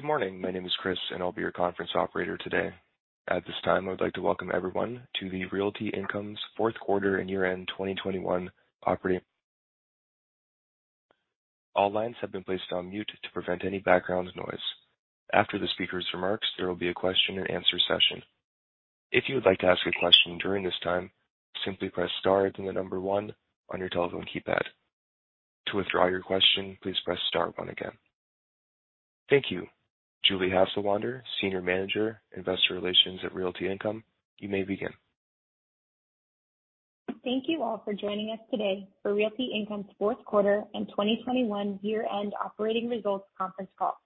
Good morning. My name is Chris, and I'll be your conference operator today. At this time, I would like to welcome everyone to the Realty Income's fourth quarter and year-end 2021 operating results conference call. All lines have been placed on mute to prevent any background noise. After the speaker's remarks, there will be a Q&A session. If you would like to ask a question during this time, simply press star, then the number one on your telephone keypad. To withdraw your question, please press star one again. Thank you. Julie Hasselwander, Senior Manager, Investor Relations at Realty Income, you may begin. Thank you all for joining us today for Realty Income's fourth quarter and 2021 year-end operating results conference call.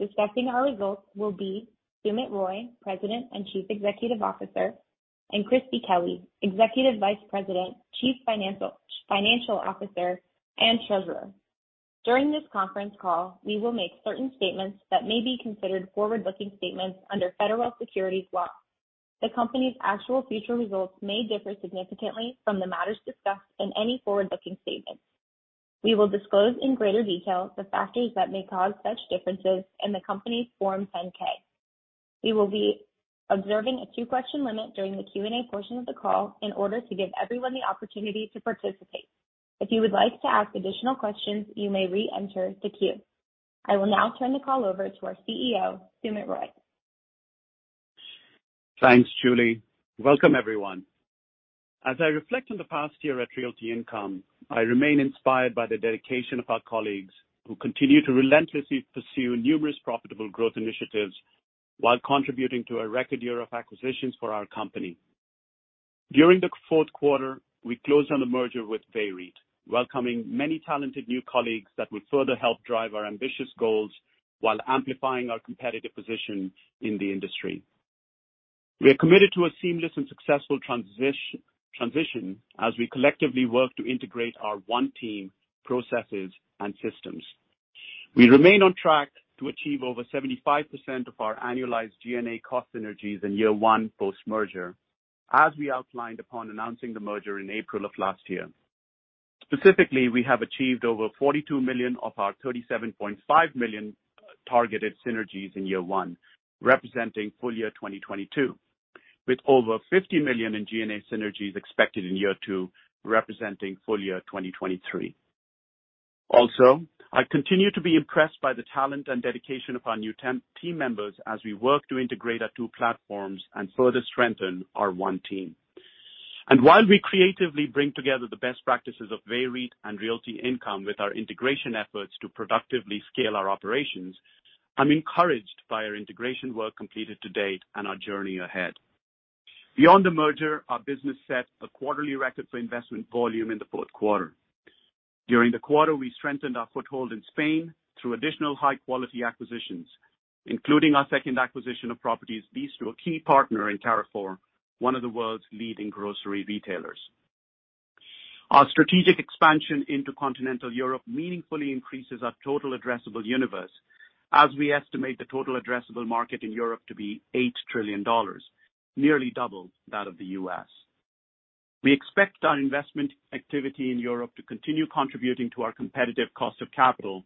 Discussing our results will be Sumit Roy, President and Chief Executive Officer, and Christie Kelly, Executive Vice President, Chief Financial Officer, and Treasurer. During this conference call, we will make certain statements that may be considered forward-looking statements under federal securities laws. The company's actual future results may differ significantly from the matters discussed in any forward-looking statement. We will disclose in greater detail the factors that may cause such differences in the company's Form 10-K. We will be observing a two-question limit during the Q&A portion of the call in order to give everyone the opportunity to participate. If you would like to ask additional questions, you may re-enter the queue. I will now turn the call over to our CEO, Sumit Roy. Thanks, Julie. Welcome, everyone. As I reflect on the past year at Realty Income, I remain inspired by the dedication of our colleagues who continue to relentlessly pursue numerous profitable growth initiatives while contributing to a record year of acquisitions for our company. During the fourth quarter, we closed on the merger with VEREIT, welcoming many talented new colleagues that will further help drive our ambitious goals while amplifying our competitive position in the industry. We are committed to a seamless and successful transition as we collectively work to integrate our one team processes and systems. We remain on track to achieve over 75% of our annualized G&A cost synergies in year one post-merger, as we outlined upon announcing the merger in April of last year. Specifically, we have achieved over $42 million of our $37.5 million targeted synergies in year one, representing full year 2022, with over $50 million in G&A synergies expected in year two, representing full year 2023. I continue to be impressed by the talent and dedication of our new team members as we work to integrate our two platforms and further strengthen our one team. While we creatively bring together the best practices of VEREIT and Realty Income with our integration efforts to productively scale our operations, I'm encouraged by our integration work completed to date and our journey ahead. Beyond the merger, our business set a quarterly record for investment volume in the fourth quarter. During the quarter, we strengthened our foothold in Spain through additional high-quality acquisitions, including our second acquisition of properties leased to a key partner in Carrefour, one of the world's leading grocery retailers. Our strategic expansion into continental Europe meaningfully increases our total addressable universe as we estimate the total addressable market in Europe to be $8 trillion, nearly double that of the U.S. We expect our investment activity in Europe to continue contributing to our competitive cost of capital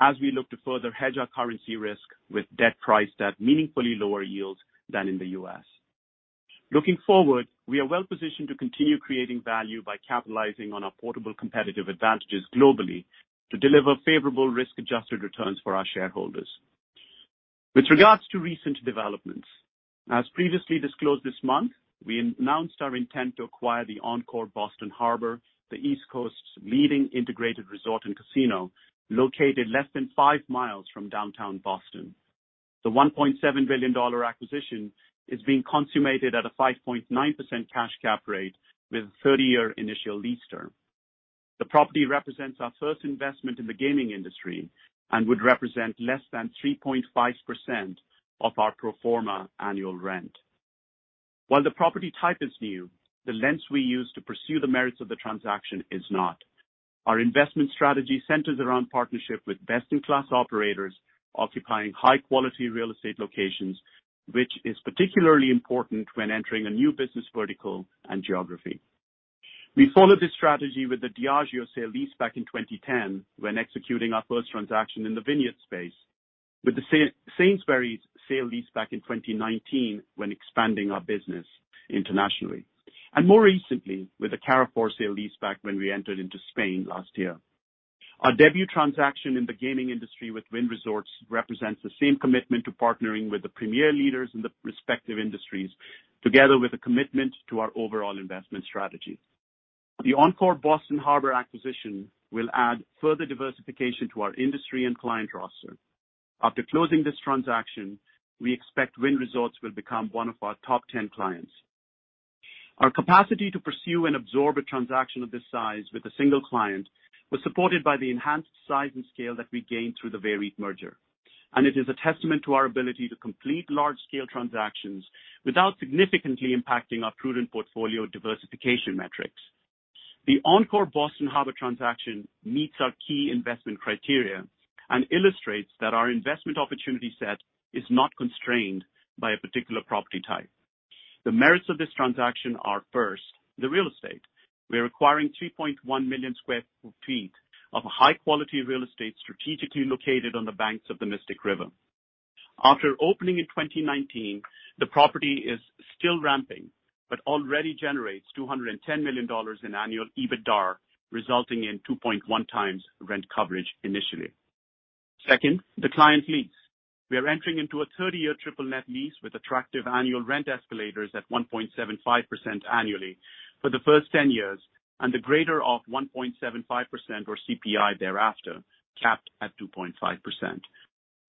as we look to further hedge our currency risk with debt priced at meaningfully lower yields than in the U.S. Looking forward, we are well positioned to continue creating value by capitalizing on our portable competitive advantages globally to deliver favorable risk-adjusted returns for our shareholders. With regard to recent developments, as previously disclosed this month, we announced our intent to acquire the Encore Boston Harbor, the East Coast's leading integrated resort and casino, located less than five miles from downtown Boston. The $1.7 billion acquisition is being consummated at a 5.9% cash cap rate with a 30-year initial lease term. The property represents our first investment in the gaming industry and would represent less than 3.5% of our pro forma annual rent. While the property type is new, the lens we use to pursue the merits of the transaction is not. Our investment strategy centers around partnership with best-in-class operators occupying high-quality real estate locations, which is particularly important when entering a new business vertical and geography. We followed this strategy with the Diageo sale-leaseback in 2010 when executing our first transaction in the vineyard space. With the Sainsbury's sale-leaseback in 2019 when expanding our business internationally. More recently with the Carrefour sale-leaseback when we entered into Spain last year. Our debut transaction in the gaming industry with Wynn Resorts represents the same commitment to partnering with the premier leaders in the respective industries, together with a commitment to our overall investment strategy. The Encore Boston Harbor acquisition will add further diversification to our industry and client roster. After closing this transaction, we expect Wynn Resorts will become one of our top ten clients. Our capacity to pursue and absorb a transaction of this size with a single client was supported by the enhanced size and scale that we gained through the VEREIT merger, and it is a testament to our ability to complete large-scale transactions without significantly impacting our prudent portfolio diversification metrics. The Encore Boston Harbor transaction meets our key investment criteria and illustrates that our investment opportunity set is not constrained by a particular property type. The merits of this transaction are first, the real estate. We are acquiring 3.1 million sq ft of high quality real estate strategically located on the banks of the Mystic River. After opening in 2019, the property is still ramping but already generates $210 million in annual EBITDAR, resulting in 2.1x rent coverage initially. Second, the client lease. We are entering into a 30-year triple net lease with attractive annual rent escalators at 1.75% annually for the first 10 years, and the greater of 1.75% or CPI thereafter, capped at 2.5%.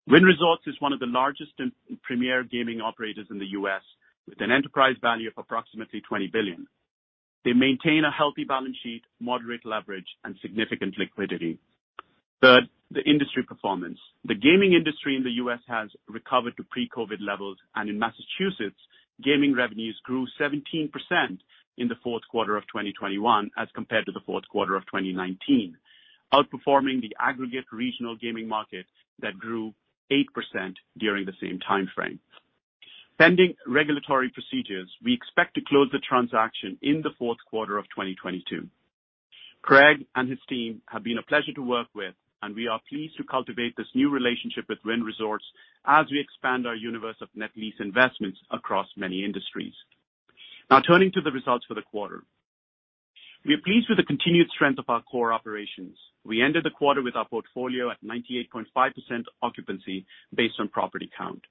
Wynn Resorts is one of the largest and premier gaming operators in the U.S., with an enterprise value of approximately $20 billion. They maintain a healthy balance sheet, moderate leverage and significant liquidity. Third, the industry performance. The gaming industry in the U.S. has recovered to pre-COVID levels, and in Massachusetts, gaming revenues grew 17% in the fourth quarter of 2021 as compared to the fourth quarter of 2019, outperforming the aggregate regional gaming market that grew 8% during the same time frame. Pending regulatory procedures, we expect to close the transaction in the fourth quarter of 2022. Craig and his team have been a pleasure to work with, and we are pleased to cultivate this new relationship with Wynn Resorts as we expand our universe of net lease investments across many industries. Now turning to the results for the quarter. We are pleased with the continued strength of our core operations. We ended the quarter with our portfolio at 98.5% occupancy based on property count.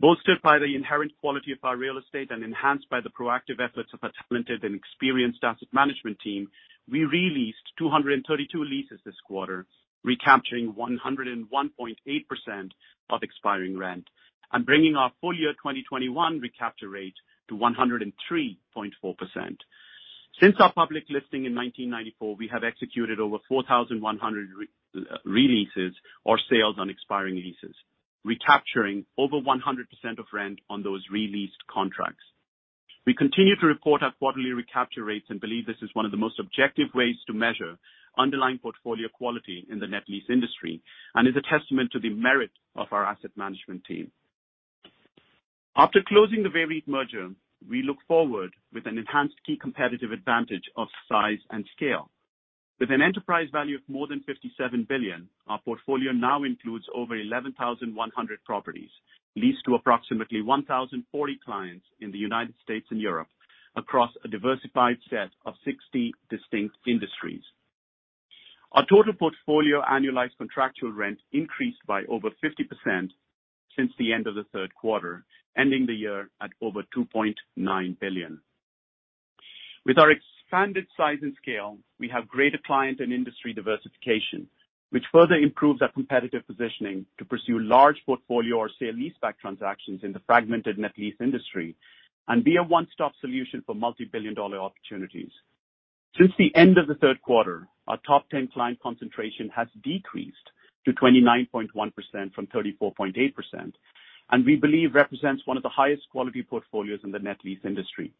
Bolstered by the inherent quality of our real estate and enhanced by the proactive efforts of our talented and experienced asset management team, we re-leased 232 leases this quarter, recapturing 101.8% of expiring rent and bringing our full year 2021 recapture rate to 103.4%. Since our public listing in 1994, we have executed over 4,100 re-leases or sales on expiring leases, recapturing over 100% of rent on those re-leased contracts. We continue to report our quarterly recapture rates and believe this is one of the most objective ways to measure underlying portfolio quality in the net lease industry and is a testament to the merit of our asset management team. After closing the VEREIT merger, we look forward with an enhanced key competitive advantage of size and scale. With an enterprise value of more than $57 billion, our portfolio now includes over 11,100 properties, leased to approximately 1,040 clients in the United States and Europe across a diversified set of 60 distinct industries. Our total portfolio annualized contractual rent increased by over 50% since the end of the third quarter, ending the year at over $2.9 billion. With our expanded size and scale, we have greater client and industry diversification, which further improves our competitive positioning to pursue large portfolio or sale-leaseback transactions in the fragmented net lease industry and be a one-stop solution for multi-billion dollar opportunities. Since the end of the third quarter, our top 10 client concentration has decreased to 29.1% from 34.8%, and we believe represents one of the highest quality portfolios in the net lease industry.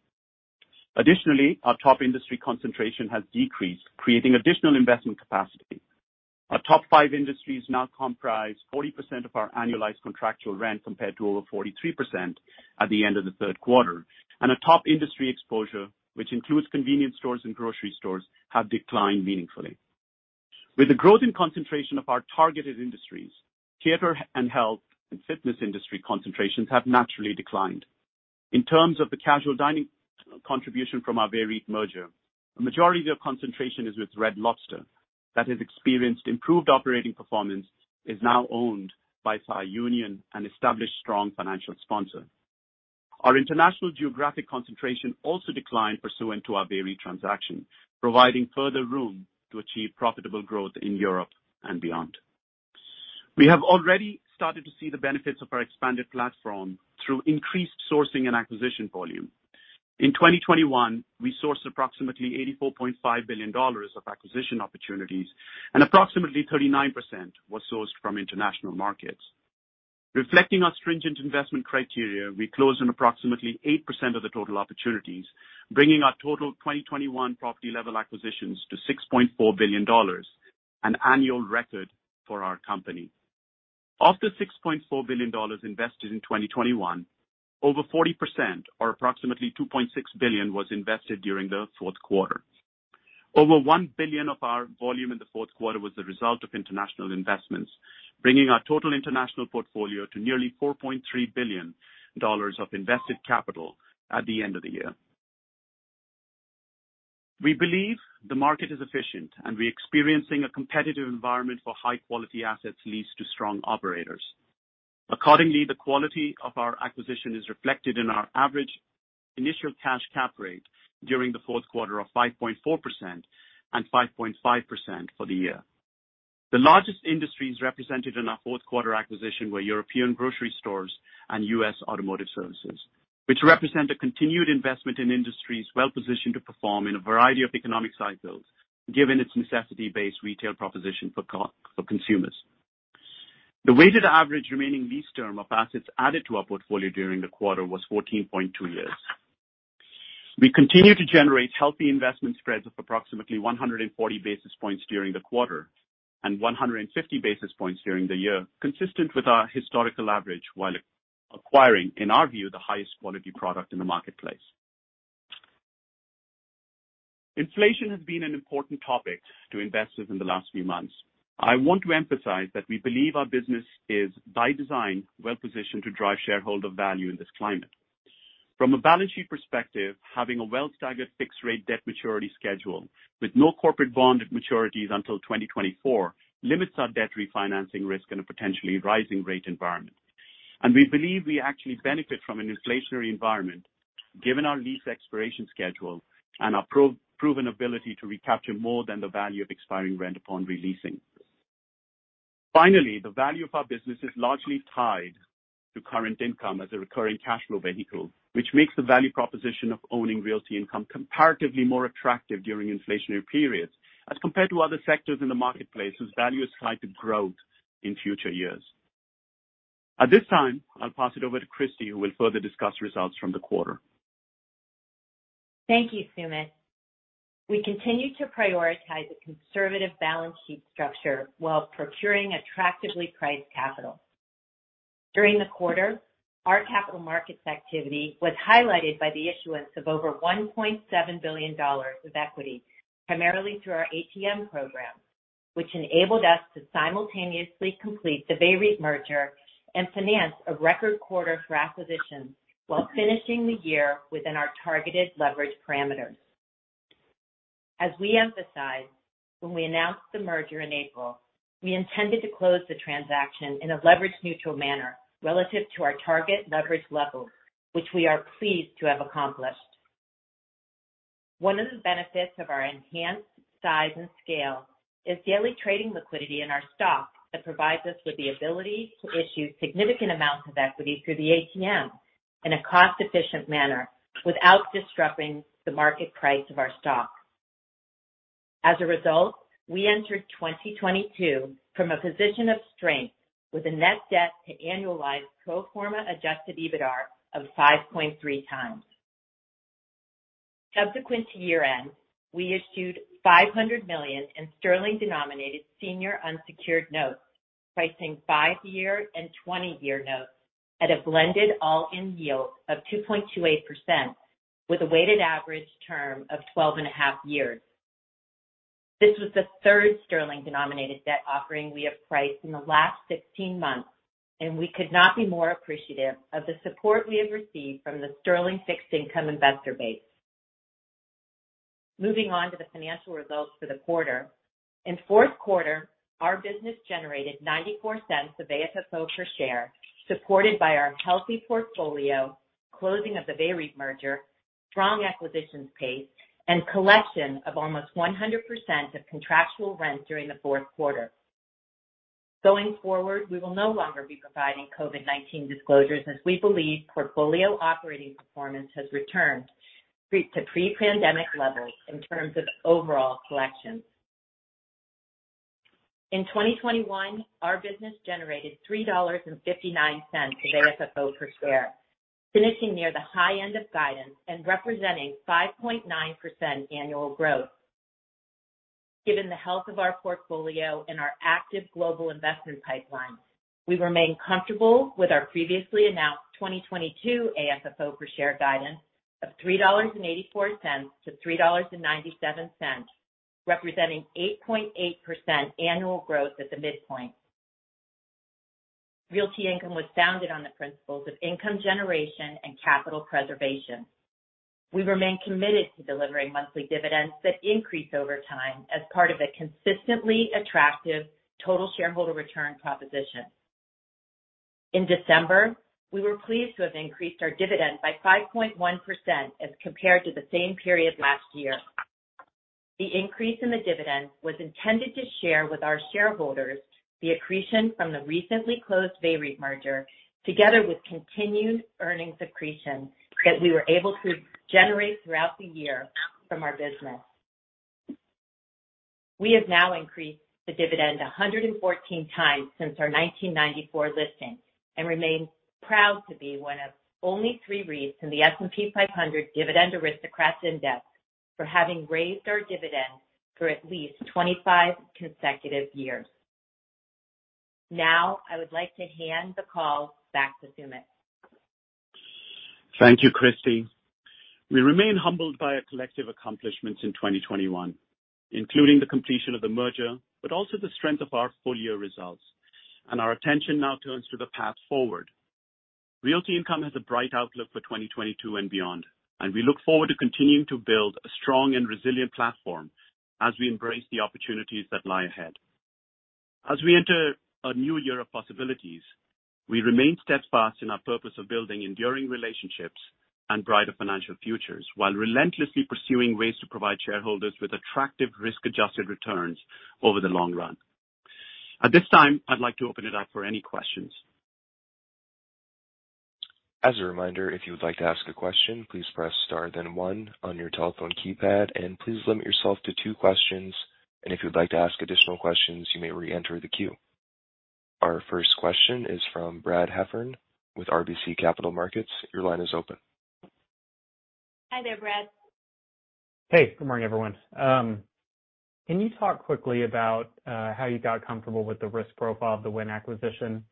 Additionally, our top industry concentration has decreased, creating additional investment capacity. Our top five industries now comprise 40% of our annualized contractual rent compared to over 43% at the end of the third quarter. A top industry exposure, which includes convenience stores and grocery stores, have declined meaningfully. With the growth in concentration of our targeted industries, theater and health and fitness industry concentrations have naturally declined. In terms of the casual dining contribution from our VEREIT merger, a majority of concentration is with Red Lobster that has experienced improved operating performance, is now owned by Thai Union, an established strong financial sponsor. Our international geographic concentration also declined pursuant to our VEREIT transaction, providing further room to achieve profitable growth in Europe and beyond. We have already started to see the benefits of our expanded platform through increased sourcing and acquisition volume. In 2021, we sourced approximately $84.5 billion of acquisition opportunities, and approximately 39% was sourced from international markets. Reflecting our stringent investment criteria, we closed on approximately 8% of the total opportunities, bringing our total 2021 property level acquisitions to $6.4 billion, an annual record for our company. Of the $6.4 billion invested in 2021, over 40% or approximately $2.6 billion was invested during the fourth quarter. Over $1 billion of our volume in the fourth quarter was the result of international investments, bringing our total international portfolio to nearly $4.3 billion of invested capital at the end of the year. We believe the market is efficient, and we're experiencing a competitive environment for high quality assets leased to strong operators. Accordingly, the quality of our acquisition is reflected in our average initial cash cap rate during the fourth quarter of 5.4% and 5.5% for the year. The largest industries represented in our fourth quarter acquisition were European grocery stores and U.S. automotive services, which represent a continued investment in industries well positioned to perform in a variety of economic cycles given its necessity-based retail proposition for consumers. The weighted average remaining lease term of assets added to our portfolio during the quarter was 14.2 years. We continue to generate healthy investment spreads of approximately 140 basis points during the quarter, and 150 basis points during the year, consistent with our historical average while acquiring, in our view, the highest quality product in the marketplace. Inflation has been an important topic to investors in the last few months. I want to emphasize that we believe our business is, by design, well-positioned to drive shareholder value in this climate. From a balance sheet perspective, having a well-staggered fixed rate debt maturity schedule with no corporate bond maturities until 2024 limits our debt refinancing risk in a potentially rising rate environment. We believe we actually benefit from an inflationary environment given our lease expiration schedule and our proven ability to recapture more than the value of expiring rent upon re-leasing. Finally, the value of our business is largely tied to current income as a recurring cash flow vehicle, which makes the value proposition of owning Realty Income comparatively more attractive during inflationary periods as compared to other sectors in the marketplace whose value is tied to growth in future years. At this time, I'll pass it over to Christie, who will further discuss results from the quarter. Thank you, Sumit. We continue to prioritize a conservative balance sheet structure while procuring attractively priced capital. During the quarter, our capital markets activity was highlighted by the issuance of over $1.7 billion of equity, primarily through our ATM program, which enabled us to simultaneously complete the VEREIT merger and finance a record quarter for acquisitions while finishing the year within our targeted leverage parameters. As we emphasized when we announced the merger in April, we intended to close the transaction in a leverage neutral manner relative to our target leverage level, which we are pleased to have accomplished. One of the benefits of our enhanced size and scale is daily trading liquidity in our stock that provides us with the ability to issue significant amounts of equity through the ATM in a cost-efficient manner without disrupting the market price of our stock. As a result, we entered 2022 from a position of strength with a net debt to annualized pro forma adjusted EBITDAR of 5.3x. Subsequent to year-end, we issued 500 million in sterling-denominated senior unsecured notes, pricing five-year and 20-year notes at a blended all-in yield of 2.28% with a weighted average term of 12.5 years. This was the third sterling-denominated debt offering we have priced in the last 16 months, and we could not be more appreciative of the support we have received from the sterling fixed income investor base. Moving on to the financial results for the quarter, in fourth quarter, our business generated $0.94 of AFFO per share, supported by our healthy portfolio, closing of the VEREIT merger, strong acquisitions pace, and collection of almost 100% of contractual rent during the fourth quarter. Going forward, we will no longer be providing COVID-19 disclosures as we believe portfolio operating performance has returned to pre-pandemic levels in terms of overall collections. In 2021, our business generated $3.59 of AFFO per share, finishing near the high end of guidance and representing 5.9% annual growth. Given the health of our portfolio and our active global investment pipeline, we remain comfortable with our previously announced 2022 AFFO per share guidance of $3.84-$3.97, representing 8.8% annual growth at the midpoint. Realty Income was founded on the principles of income generation and capital preservation. We remain committed to delivering monthly dividends that increase over time as part of a consistently attractive total shareholder return proposition. In December, we were pleased to have increased our dividend by 5.1% as compared to the same period last year. The increase in the dividend was intended to share with our shareholders the accretion from the recently closed VEREIT merger, together with continued earnings accretion that we were able to generate throughout the year from our business. We have now increased the dividend 114 times since our 1994 listing and remain proud to be one of only three REITs in the S&P 500 Dividend Aristocrats Index for having raised our dividend for at least 25 consecutive years. Now, I would like to hand the call back to Sumit. Thank you, Christie. We remain humbled by our collective accomplishments in 2021, including the completion of the merger, but also the strength of our full year results. Our attention now turns to the path forward. Realty Income has a bright outlook for 2022 and beyond, and we look forward to continuing to build a strong and resilient platform as we embrace the opportunities that lie ahead. As we enter a new year of possibilities, we remain steadfast in our purpose of building enduring relationships and brighter financial futures while relentlessly pursuing ways to provide shareholders with attractive risk-adjusted returns over the long run. At this time, I'd like to open it up for any questions. As a reminder, if you would like to ask a question, please press star then one on your telephone keypad, and please limit yourself to two questions. If you would like to ask additional questions, you may re-enter the queue. Our first question is from Brad Heffern with RBC Capital Markets. Your line is open. Hi there, Brad. Hey, good morning, everyone. Can you talk quickly about how you got comfortable with the risk profile of the Wynn acquisition?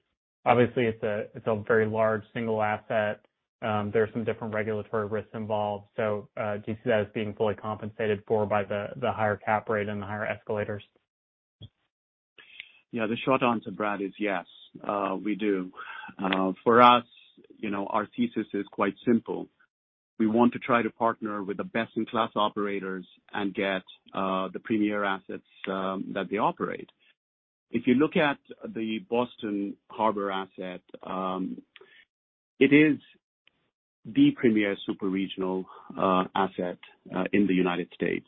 Obviously, it's a very large single asset. There are some different regulatory risks involved. Do you see that as being fully compensated for by the higher cap rate and the higher escalators? Yeah. The short answer, Brad, is yes, we do. For us, you know, our thesis is quite simple. We want to try to partner with the best-in-class operators and get the premier assets that they operate. If you look at the Encore Boston Harbor asset, it is the premier super-regional asset in the United States.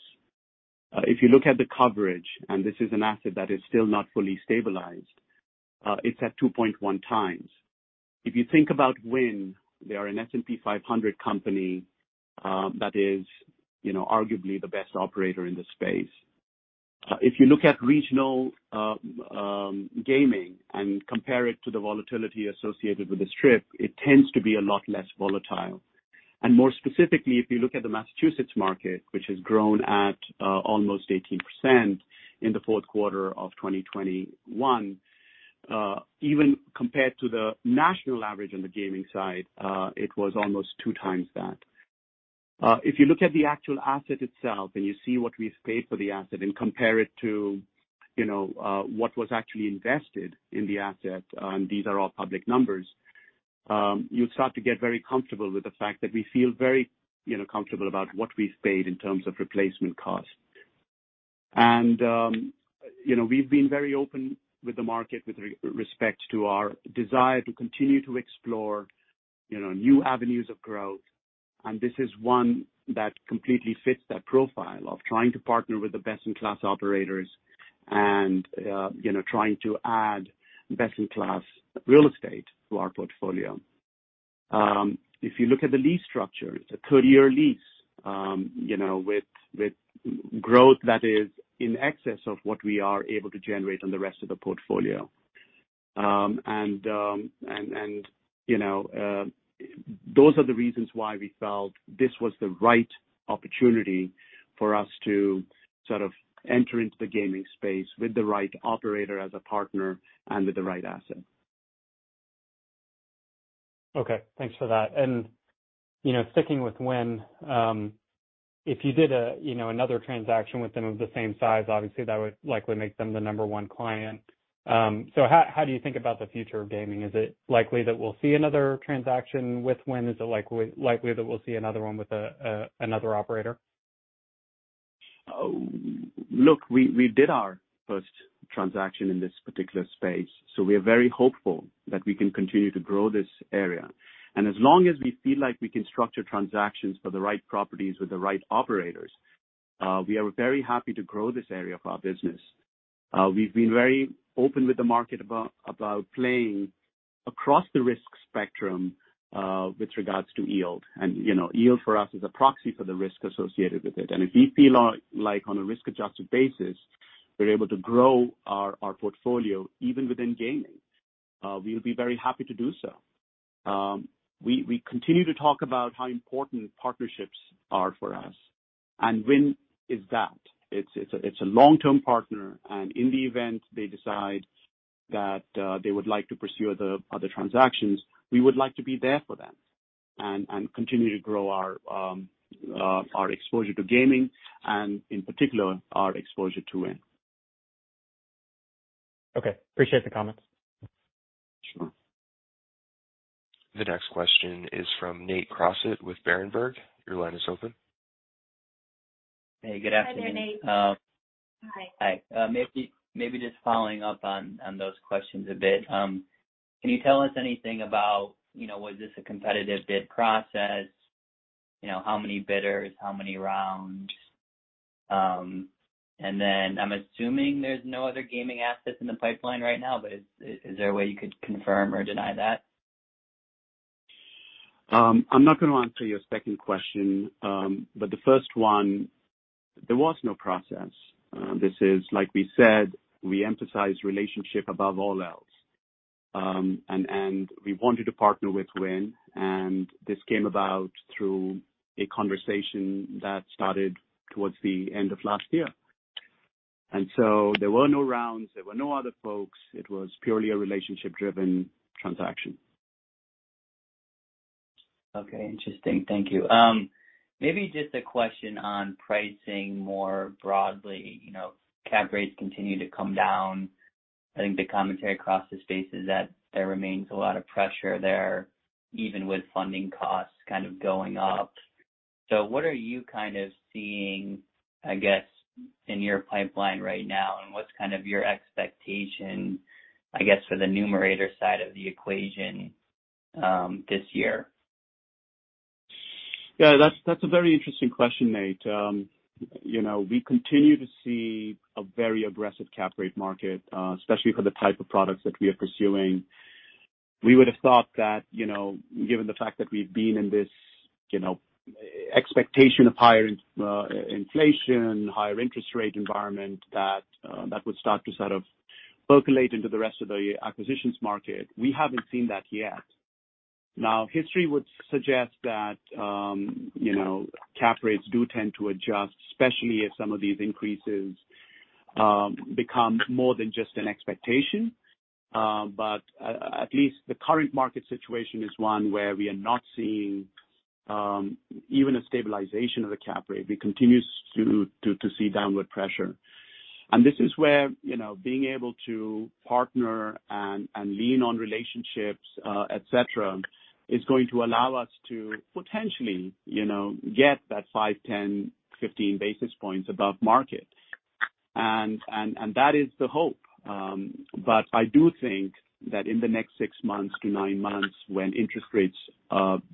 If you look at the coverage, and this is an asset that is still not fully stabilized, it's at 2.1x. If you think about Wynn, they are an S&P 500 company that is, you know, arguably the best operator in the space. If you look at regional gaming and compare it to the volatility associated with the strip, it tends to be a lot less volatile. More specifically, if you look at the Massachusetts market, which has grown at almost 18% in the fourth quarter of 2021, even compared to the national average on the gaming side, it was almost two times that. If you look at the actual asset itself and you see what we've paid for the asset and compare it to, you know, what was actually invested in the asset, these are all public numbers, you start to get very comfortable with the fact that we feel very, you know, comfortable about what we've paid in terms of replacement cost. You know, we've been very open with the market with respect to our desire to continue to explore, you know, new avenues of growth, and this is one that completely fits that profile of trying to partner with the best-in-class operators and, you know, trying to add best-in-class real estate to our portfolio. If you look at the lease structure, it's a 30-year lease, you know, with growth that is in excess of what we are able to generate on the rest of the portfolio. You know, those are the reasons why we felt this was the right opportunity for us to sort of enter into the gaming space with the right operator as a partner and with the right asset. Okay. Thanks for that. You know, sticking with Wynn, if you did another transaction with them of the same size, obviously that would likely make them the number one client. How do you think about the future of gaming? Is it likely that we'll see another transaction with Wynn? Is it likely that we'll see another one with another operator? Look, we did our first transaction in this particular space, so we are very hopeful that we can continue to grow this area. As long as we feel like we can structure transactions for the right properties with the right operators, we are very happy to grow this area of our business. We've been very open with the market about playing across the risk spectrum, with regards to yield. You know, yield for us is a proxy for the risk associated with it. If we feel like on a risk-adjusted basis, we're able to grow our portfolio even within gaming, we'll be very happy to do so. We continue to talk about how important partnerships are for us, and Wynn is that. It's a long-term partner, and in the event they decide that they would like to pursue other transactions, we would like to be there for them and continue to grow our exposure to gaming and in particular, our exposure to Wynn. Okay. Appreciate the comments. Sure. The next question is from Nate Crossett with Berenberg. Your line is open. Hey, good afternoon. Hi there, Nate. Maybe just following up on those questions a bit. Can you tell us anything about, you know, was this a competitive bid process? You know, how many bidders? How many rounds? And then I'm assuming there's no other gaming assets in the pipeline right now, but is there a way you could confirm or deny that? I'm not gonna answer your second question. The first one, there was no process. This is like we said, we emphasize relationship above all else. We wanted to partner with Wynn, and this came about through a conversation that started towards the end of last year. There were no rounds. There were no other folks. It was purely a relationship-driven transaction. Okay. Interesting. Thank you. Maybe just a question on pricing more broadly. You know, cap rates continue to come down. I think the commentary across the space is that there remains a lot of pressure there, even with funding costs kind of going up. What are you kind of seeing, I guess, in your pipeline right now? What's kind of your expectation, I guess, for the numerator side of the equation, this year? Yeah, that's a very interesting question, Nate. You know, we continue to see a very aggressive cap rate market, especially for the type of products that we are pursuing. We would have thought that, you know, given the fact that we've been in this, you know, expectation of higher inflation, higher interest rate environment, that that would start to sort of percolate into the rest of the acquisitions market. We haven't seen that yet. Now, history would suggest that, you know, cap rates do tend to adjust, especially if some of these increases become more than just an expectation. But at least the current market situation is one where we are not seeing even a stabilization of the cap rate. We continue to see downward pressure. This is where, you know, being able to partner and lean on relationships, et cetera, is going to allow us to potentially, you know, get that 5, 10, 15 basis points above market. That is the hope. I do think that in the next 6 months to 9 months, when interest rates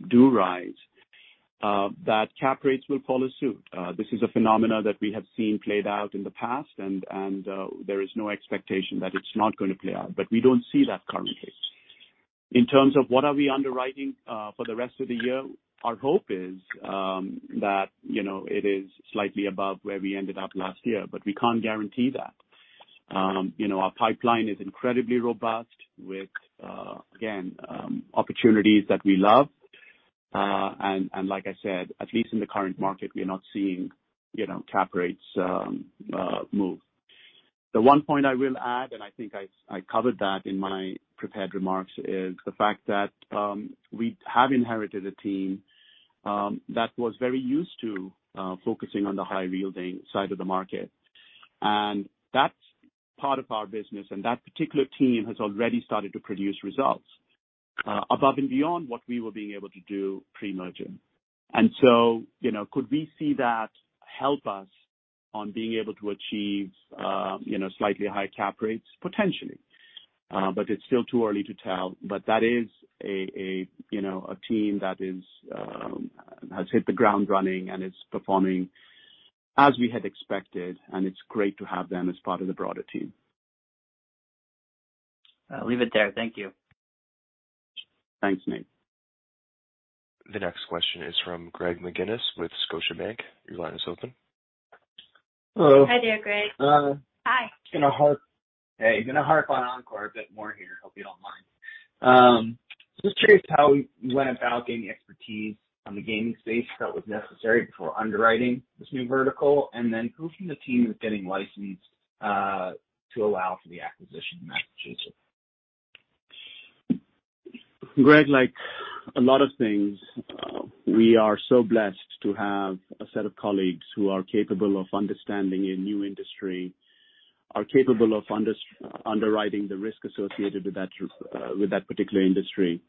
do rise, that cap rates will follow suit. This is a phenomenon that we have seen played out in the past, and there is no expectation that it's not going to play out, but we don't see that currently. In terms of what we are underwriting for the rest of the year, our hope is that, you know, it is slightly above where we ended up last year, but we can't guarantee that. You know, our pipeline is incredibly robust with, again, opportunities that we love. Like I said, at least in the current market, we are not seeing, you know, cap rates move. The one point I will add, and I think I covered that in my prepared remarks, is the fact that we have inherited a team that was very used to focusing on the high yielding side of the market, and that's part of our business. That particular team has already started to produce results above and beyond what we were being able to do pre-merger. You know, could we see that help us on being able to achieve, you know, slightly higher cap rates? Potentially. It's still too early to tell. That is, you know, a team that has hit the ground running and is performing as we had expected, and it's great to have them as part of the broader team. I'll leave it there. Thank you. Thanks, Nate. The next question is from Greg McGinniss with Scotiabank. Your line is open. Hello. Hi there, Greg. Uh- Hi. Going to harp Hey, gonna harp on Encore a bit more here. Hope you don't mind. Just curious how you went about getting the expertise on the gaming space that was necessary before underwriting this new vertical, and then who from the team is getting licensed to allow for the acquisition in Massachusetts? Greg, like a lot of things, we are so blessed to have a set of colleagues who are capable of understanding a new industry, are capable of underwriting the risk associated with that, with that particular industry.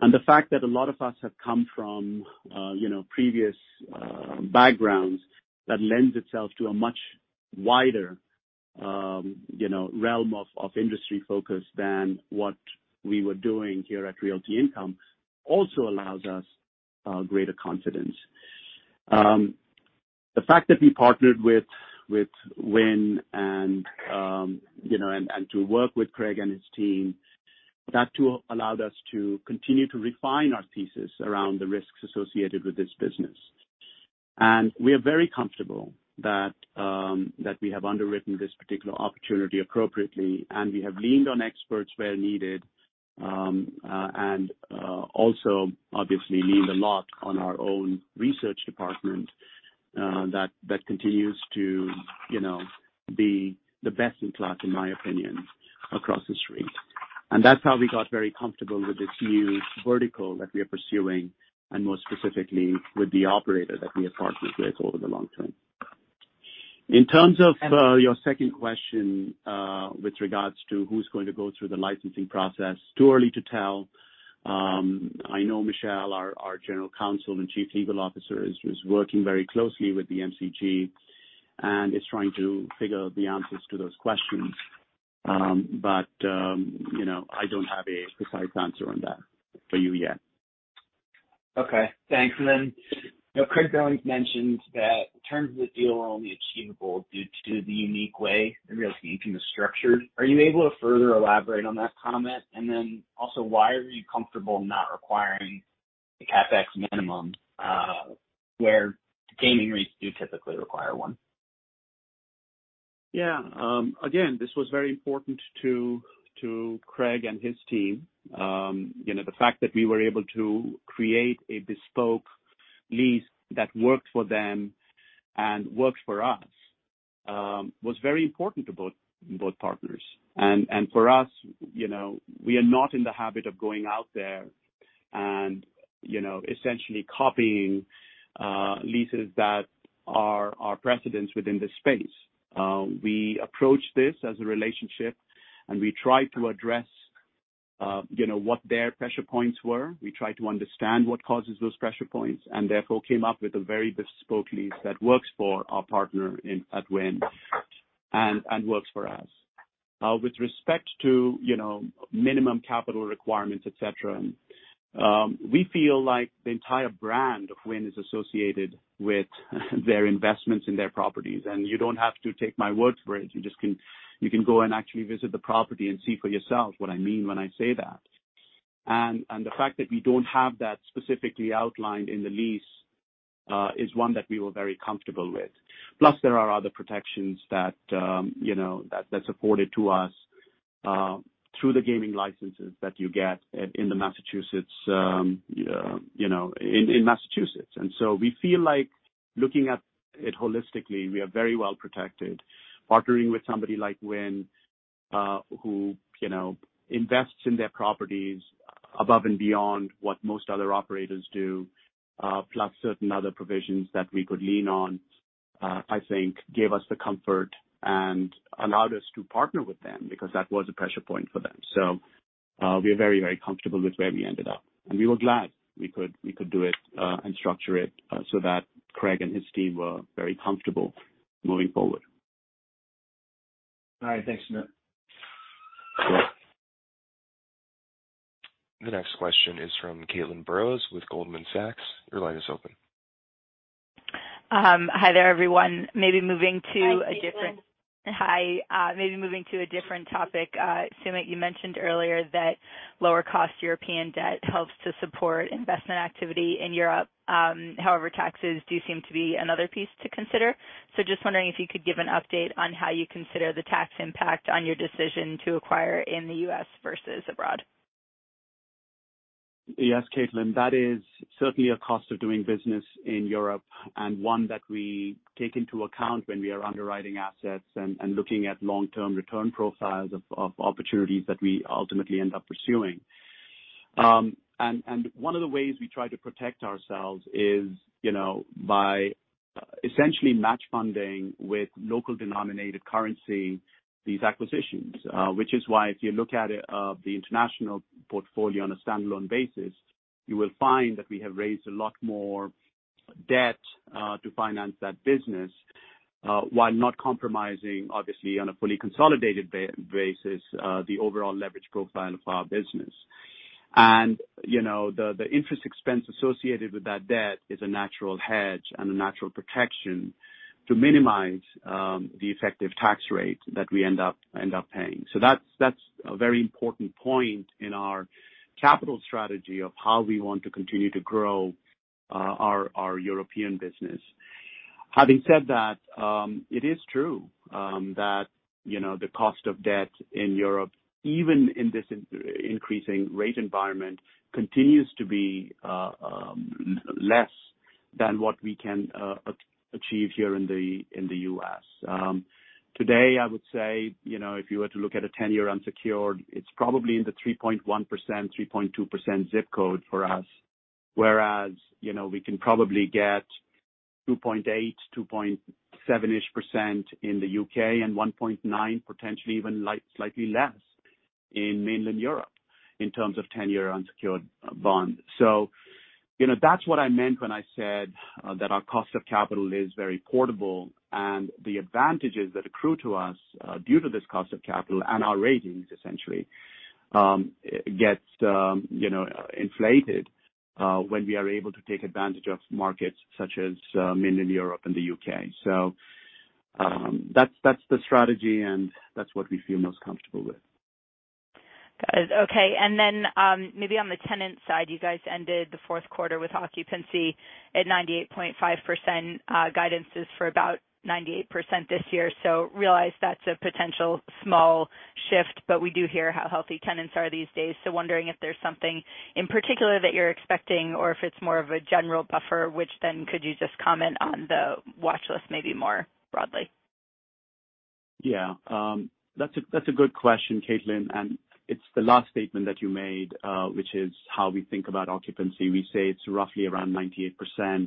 The fact that a lot of us have come from, you know, previous, backgrounds, that lends itself to a much wider, you know, realm of industry focus than what we were doing here at Realty Income also allows us, greater confidence. The fact that we partnered with Wynn and to work with Craig and his team, that tool allowed us to continue to refine our thesis around the risks associated with this business. We are very comfortable that we have underwritten this particular opportunity appropriately, and we have leaned on experts where needed, and also obviously leaned a lot on our own research department, that continues to, you know, be the best in class, in my opinion, across the street. That's how we got very comfortable with this new vertical that we are pursuing and more specifically with the operator that we have partnered with over the long term. In terms of your second question, with regards to who's going to go through the licensing process, too early to tell. I know Michelle, our General Counsel and Chief Legal Officer, is working very closely with the MGC and is trying to figure out the answers to those questions. You know, I don't have a precise answer on that for you yet. Okay, thanks. You know, Craig Billings mentioned that terms of the deal are only achievable due to the unique way that Realty Income is structured. Are you able to further elaborate on that comment? Why are you comfortable not requiring a CapEx minimum, where gaming REITs do typically require one? Yeah. Again, this was very important to Craig and his team. You know, the fact that we were able to create a bespoke lease that worked for them and worked for us was very important to both partners. For us, you know, we are not in the habit of going out there and, you know, essentially copying leases that are precedents within this space. We approach this as a relationship, and we try to address, you know, what their pressure points were. We try to understand what causes those pressure points and therefore came up with a very bespoke lease that works for our partner at Wynn and works for us. With respect to, you know, minimum capital requirements, et cetera. We feel like the entire brand of Wynn is associated with their investments in their properties. You don't have to take my word for it. You just can go and actually visit the property and see for yourself what I mean when I say that. The fact that we don't have that specifically outlined in the lease is one that we were very comfortable with. Plus, there are other protections that, you know, afforded to us through the gaming licenses that you get in Massachusetts. We feel like looking at it holistically, we are very well protected. Partnering with somebody like Wynn, who, you know, invests in their properties above and beyond what most other operators do, plus certain other provisions that we could lean on, I think gave us the comfort and allowed us to partner with them because that was a pressure point for them. We are very, very comfortable with where we ended up, and we were glad we could do it, and structure it, so that Craig and his team were very comfortable moving forward. All right. Thanks, Sumit. Sure. The next question is from Caitlin Burrows with Goldman Sachs. Your line is open. Hi there, everyone. Hi, Caitlin. Hi. Maybe moving to a different topic. Sumit, you mentioned earlier that lower cost European debt helps to support investment activity in Europe. However, taxes do seem to be another piece to consider. Just wondering if you could give an update on how you consider the tax impact on your decision to acquire in the U.S. versus abroad. Yes, Caitlin. That is certainly a cost of doing business in Europe, and one that we take into account when we are underwriting assets and looking at long-term return profiles of opportunities that we ultimately end up pursuing. One of the ways we try to protect ourselves is, you know, by essentially match funding with local denominated currency, these acquisitions. Which is why if you look at it, the international portfolio on a standalone basis, you will find that we have raised a lot more debt to finance that business while not compromising, obviously, on a fully consolidated basis, the overall leverage profile of our business. You know, the interest expense associated with that debt is a natural hedge and a natural protection to minimize the effective tax rate that we end up paying. That's a very important point in our capital strategy of how we want to continue to grow our European business. Having said that, it is true that you know the cost of debt in Europe, even in this increasing rate environment, continues to be less than what we can achieve here in the U.S. Today, I would say you know if you were to look at a 10-year unsecured, it's probably in the 3.1%-3.2% zip code for us, whereas you know we can probably get 2.8%-2.7%-ish in the U.K. and 1.9%, potentially even slightly less in mainland Europe in terms of 10-year unsecured bonds. You know, that's what I meant when I said that our cost of capital is very portable and the advantages that accrue to us due to this cost of capital and our ratings essentially gets you know inflated when we are able to take advantage of markets such as mainland Europe and the U.K. That's the strategy, and that's what we feel most comfortable with. Got it. Okay. Maybe on the tenant side, you guys ended the fourth quarter with occupancy at 98.5%. Guidance is for about 98% this year. Realize that's a potential small shift, but we do hear how healthy tenants are these days. Wondering if there's something in particular that you're expecting or if it's more of a general buffer, which then could you just comment on the watch list maybe more broadly? Yeah. That's a good question, Caitlin, and it's the last statement that you made, which is how we think about occupancy. We say it's roughly around 98%.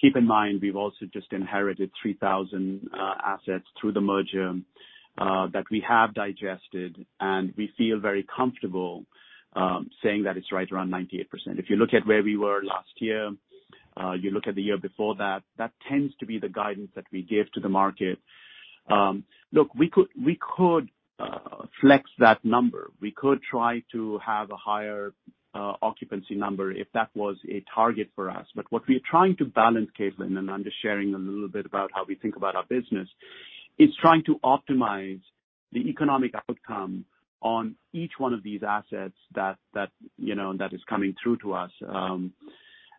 Keep in mind, we've also just inherited 3,000 assets through the merger that we have digested, and we feel very comfortable saying that it's right around 98%. If you look at where we were last year, you look at the year before that tends to be the guidance that we give to the market. Look, we could flex that number. We could try to have a higher occupancy number if that was a target for us. What we are trying to balance, Caitlin, and I'm just sharing a little bit about how we think about our business, is trying to optimize the economic outcome on each one of these assets that you know that is coming through to us.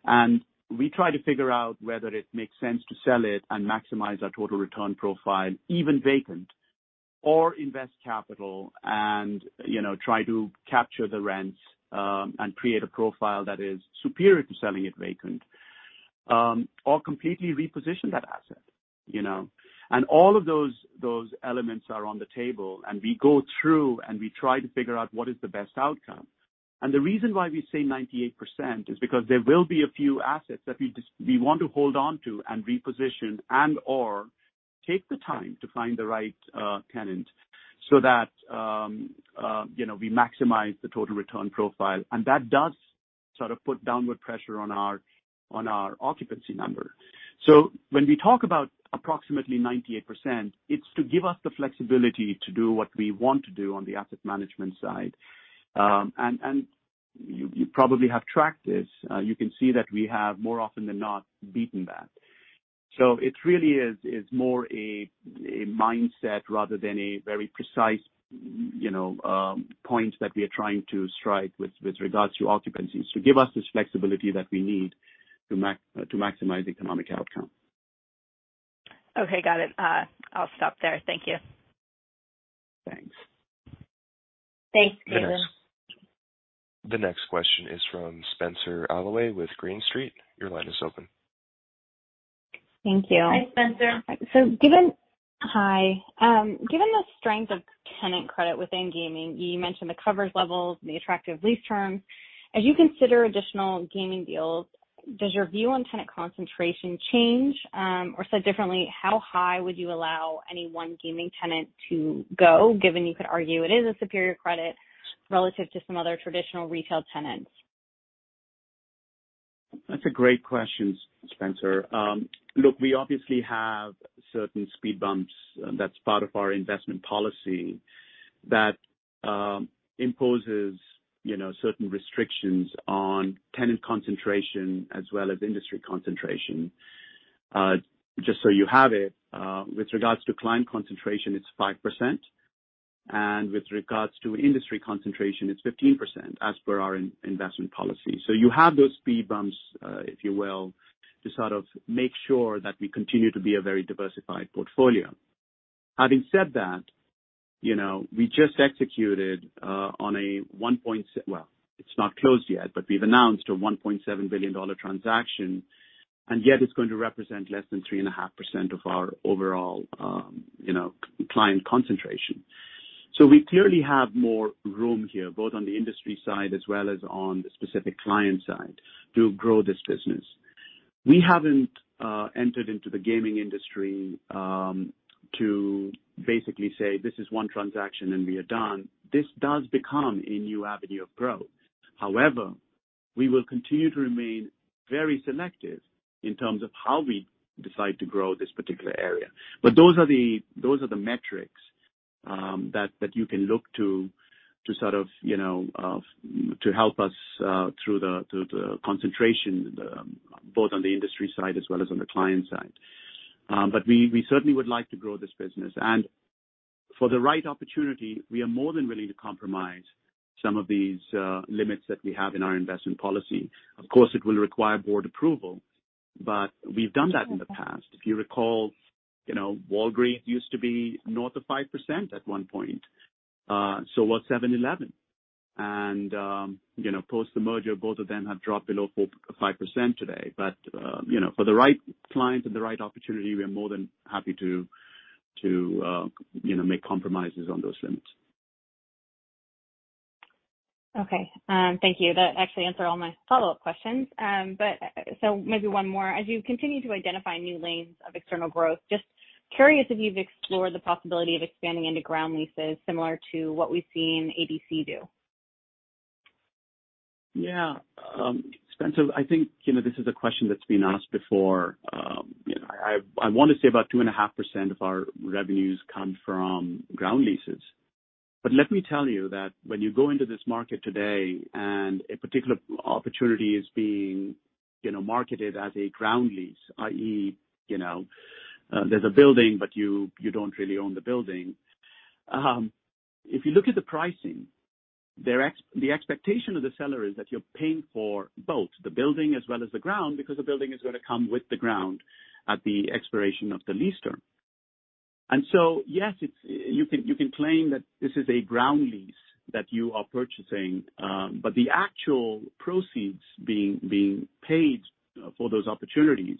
And we try to figure out whether it makes sense to sell it and maximize our total return profile, even vacant, or invest capital and, you know, try to capture the rents, and create a profile that is superior to selling it vacant, or completely reposition that asset, you know. All of those elements are on the table, and we go through and we try to figure out what is the best outcome. The reason why we say 98% is because there will be a few assets that we want to hold on to and reposition and/or take the time to find the right tenant so that, you know, we maximize the total return profile. That does sort of put downward pressure on our occupancy number. When we talk about approximately 98%. It's to give us the flexibility to do what we want to do on the asset management side. You probably have tracked this. You can see that we have more often than not beaten that. It really is more a mindset rather than a very precise point that we are trying to strike with regards to occupancy. To give us the flexibility that we need to maximize economic outcome. Okay, got it. I'll stop there. Thank you. Thanks. Thanks, Caitlin. The next question is from Spenser Allaway with Green Street. Your line is open. Thank you. Hi, Spenser. Hi, given the strength of tenant credit within gaming, you mentioned the coverage levels and the attractive lease terms. As you consider additional gaming deals, does your view on tenant concentration change? Said differently, how high would you allow any one gaming tenant to go, given you could argue it is a superior credit relative to some other traditional retail tenants? That's a great question, Spenser. Look, we obviously have certain speed bumps, that's part of our investment policy that imposes, you know, certain restrictions on tenant concentration as well as industry concentration. Just so you have it, with regards to tenant concentration, it's 5%, and with regards to industry concentration, it's 15% as per our investment policy. You have those speed bumps, if you will, to sort of make sure that we continue to be a very diversified portfolio. Having said that, you know, we just executed on a... Well, it's not closed yet, but we've announced a $1.7 billion transaction, and yet it's going to represent less than 3.5% of our overall, you know, tenant concentration. We clearly have more room here, both on the industry side as well as on the specific client side to grow this business. We haven't entered into the gaming industry to basically say, this is one transaction and we are done. This does become a new avenue of growth. However, we will continue to remain very selective in terms of how we decide to grow this particular area. Those are the metrics that you can look to sort of, you know, to help us through the concentration, both on the industry side as well as on the client side. We certainly would like to grow this business. For the right opportunity, we are more than willing to compromise some of these limits that we have in our investment policy. Of course, it will require board approval, but we've done that in the past. If you recall, you know, Walgreens used to be north of 5% at one point, so was 7-Eleven. Post the merger, both of them have dropped below 4.5% today. For the right client and the right opportunity, we are more than happy to you know, make compromises on those limits. Okay. Thank you. That actually answered all my follow-up questions. Maybe one more. As you continue to identify new lanes of external growth, just curious if you've explored the possibility of expanding into ground leases similar to what we've seen ADC do. Yeah. Spenser, I think, you know, this is a question that's been asked before. You know, I want to say about 2.5% of our revenues come from ground leases. Let me tell you that when you go into this market today and a particular opportunity is being, you know, marketed as a ground lease, i.e., you know, there's a building, but you don't really own the building. If you look at the pricing, the expectation of the seller is that you're paying for both the building as well as the ground because the building is gonna come with the ground at the expiration of the lease term. Yes, it's you can claim that this is a ground lease that you are purchasing, but the actual proceeds being paid for those opportunities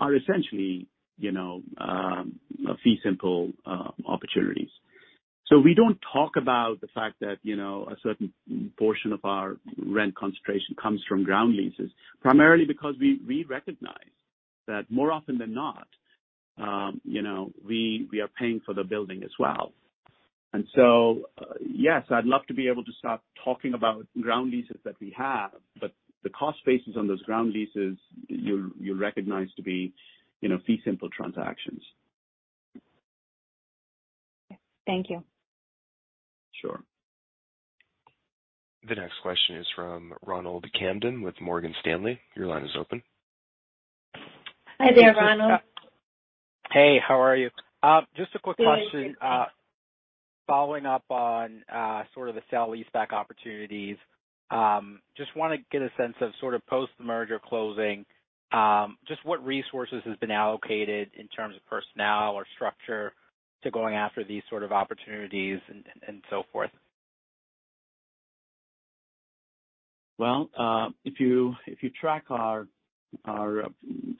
are essentially, you know, a fee simple opportunities. We don't talk about the fact that, you know, a certain portion of our rent concentration comes from ground leases, primarily because we recognize that more often than not, you know, we are paying for the building as well. Yes, I'd love to be able to start talking about ground leases that we have, but the cost basis on those ground leases you'll recognize to be, you know, fee simple transactions. Thank you. Sure. The next question is from Ronald Kamdem with Morgan Stanley. Your line is open. Hi there, Ronald. Hey, how are you? Just a quick question. Good. Following up on sort of the sale-leaseback opportunities, just wanna get a sense of sort of post-merger closing, just what resources has been allocated in terms of personnel or structure to going after these sort of opportunities and so forth. Well, if you track our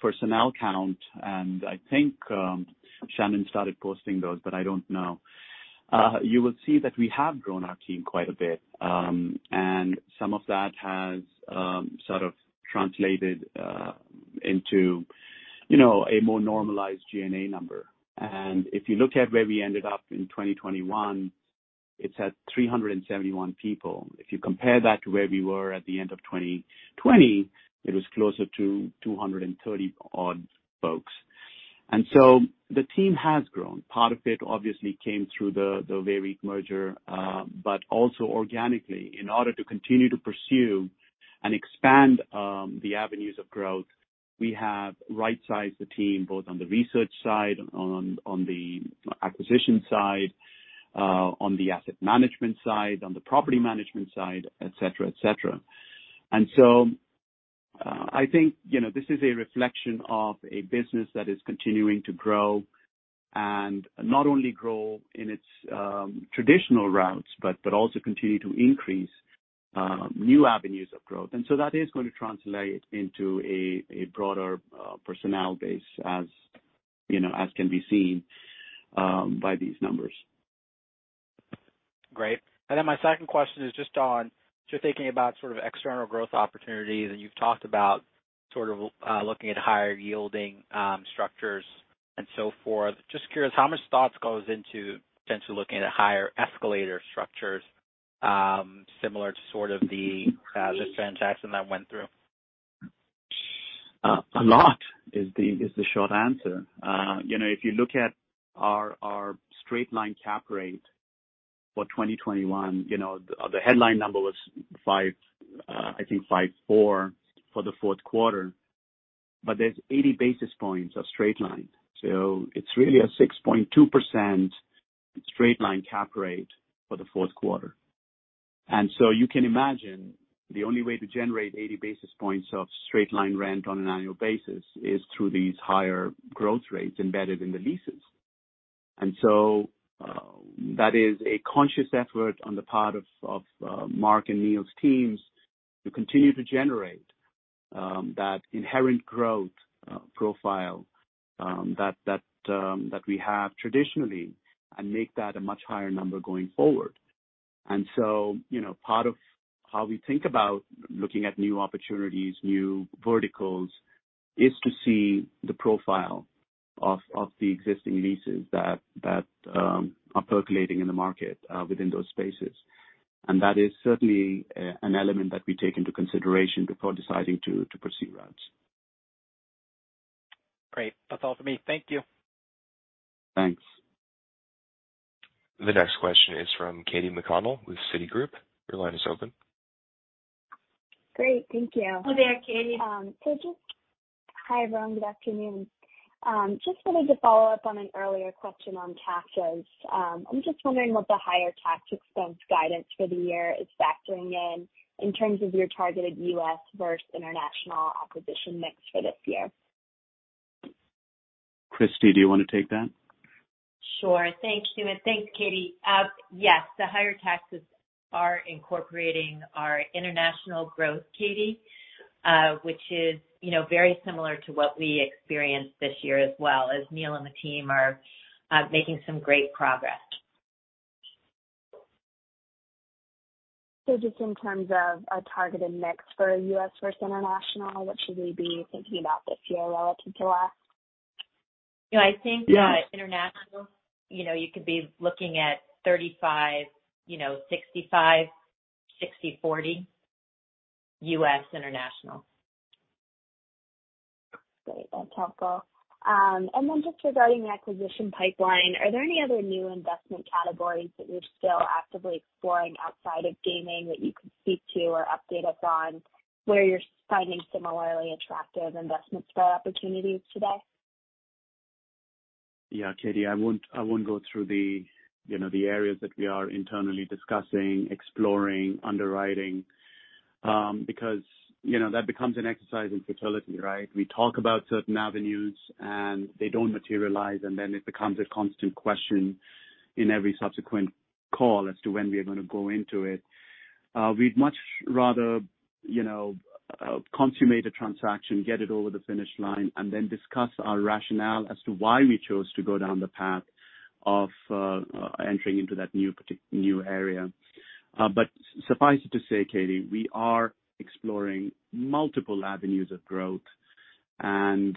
personnel count, and I think Shannon started posting those, but I don't know. You will see that we have grown our team quite a bit. Some of that has sort of translated into you know a more normalized G&A number. If you look at where we ended up in 2021, it's at 371 people. If you compare that to where we were at the end of 2020, it was closer to 230-odd folks. The team has grown. Part of it obviously came through the VEREIT merger, but also organically. In order to continue to pursue and expand the avenues of growth, we have rightsized the team, both on the research side, on the acquisition side, on the asset management side, on the property management side, et cetera, et cetera. I think, you know, this is a reflection of a business that is continuing to grow and not only grow in its traditional routes, but also continue to increase new avenues of growth. That is going to translate into a broader personnel base, as you know, as can be seen by these numbers. Great. Then my second question is just on thinking about sort of external growth opportunities, and you've talked about sort of looking at higher yielding structures and so forth. Just curious, how much thoughts goes into potentially looking at higher escalator structures, similar to sort of this transaction that went through? A lot is the short answer. You know, if you look at our straight line cap rate for 2021, you know, the headline number was 5.4% for the fourth quarter. But there's 80 basis points of straight line. So it's really a 6.2% straight line cap rate for the fourth quarter. You can imagine the only way to generate 80 basis points of straight line rent on an annual basis is through these higher growth rates embedded in the leases. That is a conscious effort on the part of Mark and Neil's teams to continue to generate that inherent growth profile that we have traditionally and make that a much higher number going forward. You know, part of how we think about looking at new opportunities, new verticals, is to see the profile of the existing leases that are percolating in the market within those spaces. That is certainly an element that we take into consideration before deciding to proceed routes. Great. That's all for me. Thank you. Thanks. The next question is from Caitlin Burrows with Goldman Sachs. Your line is open. Great. Thank you. Hello there, Caitlin. Hi, everyone. Good afternoon. Just wanted to follow up on an earlier question on taxes. I'm just wondering what the higher tax expense guidance for the year is factoring in terms of your targeted U.S. versus international acquisition mix for this year. Christie, do you wanna take that? Sure. Thank you, and thanks, Caitlin. Yes, the higher taxes are incorporating our international growth, Caitlin, which is, you know, very similar to what we experienced this year as well, as Neil and the team are making some great progress. Just in terms of a targeted mix for U.S. versus international, what should we be thinking about this year relative to last? You know, I think. Yeah. international, you know, you could be looking at 35%, you know, 65%, 60/40 U.S., international. Great. That's helpful. Just regarding the acquisition pipeline, are there any other new investment categories that you're still actively exploring outside of gaming that you could speak to or update us on where you're finding similarly attractive investment style opportunities today? Yeah, Caitlin, I won't go through the, you know, the areas that we are internally discussing, exploring, underwriting, because, you know, that becomes an exercise in futility, right? We talk about certain avenues, and they don't materialize, and then it becomes a constant question in every subsequent call as to when we are gonna go into it. We'd much rather, you know, consummate a transaction, get it over the finish line, and then discuss our rationale as to why we chose to go down the path of entering into that new area. Suffice it to say, Caitlin, we are exploring multiple avenues of growth and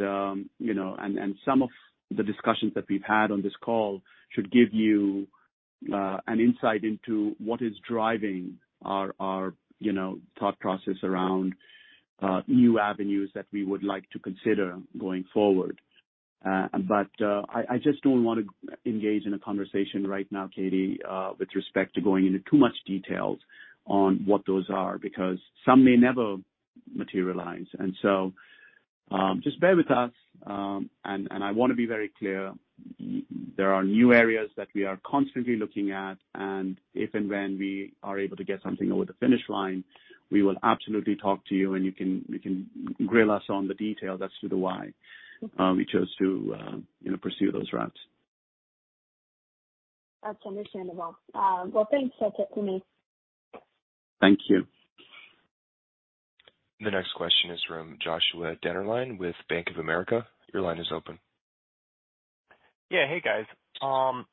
some of the discussions that we've had on this call should give you an insight into what is driving our thought process around new avenues that we would like to consider going forward. I just don't wanna engage in a conversation right now, Caitlin, with respect to going into too much details on what those are, because some may never materialize. Just bear with us. I wanna be very clear, there are new areas that we are constantly looking at, and if and when we are able to get something over the finish line, we will absolutely talk to you, and you can grill us on the detail as to the why we chose to, you know, pursue those routes. That's understandable. Well, thanks. That's it for me. Thank you. The next question is from Joshua Dennerlein with Bank of America. Your line is open. Yeah. Hey, guys. Hi, Josh.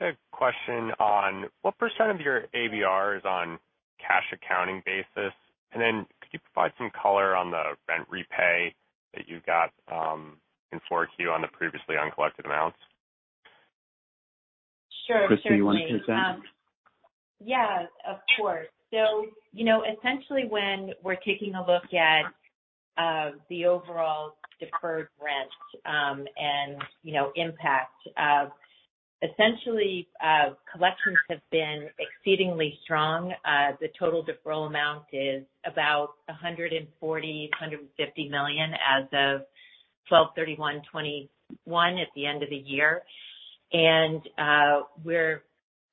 I have a question on what % of your ABR is on cash accounting basis? Could you provide some color on the rent repay that you got in 4Q on the previously uncollected amounts? Sure. Certainly. Christie, you want to take that? Yes, of course. You know, essentially, when we're taking a look at the overall deferred rent and, you know, impact, essentially, collections have been exceedingly strong. The total deferral amount is about $140 million-$150 million as of 12/31/2021 at the end of the year. We're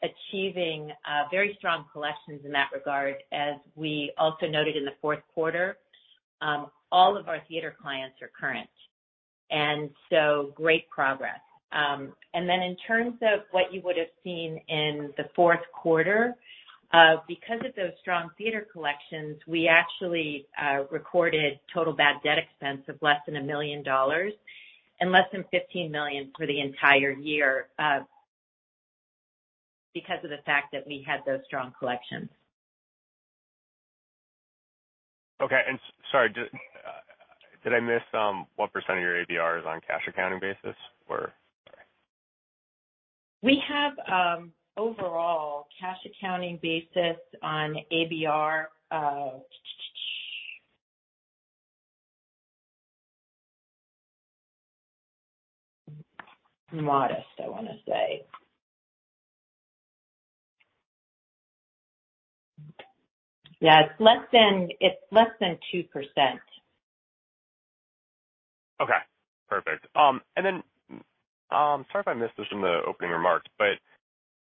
achieving very strong collections in that regard. As we also noted in the fourth quarter, all of our theater clients are current, and so great progress. In terms of what you would have seen in the fourth quarter, because of those strong theater collections, we actually recorded total bad debt expense of less than $1 million and less than $15 million for the entire year, because of the fact that we had those strong collections. Okay. Sorry, did I miss what % of your ABR is on cash accounting basis or? Sorry. We have overall cash accounting basis on ABR, modest, I wanna say. Yeah, it's less than 2%. Okay, perfect. Sorry if I missed this in the opening remarks, but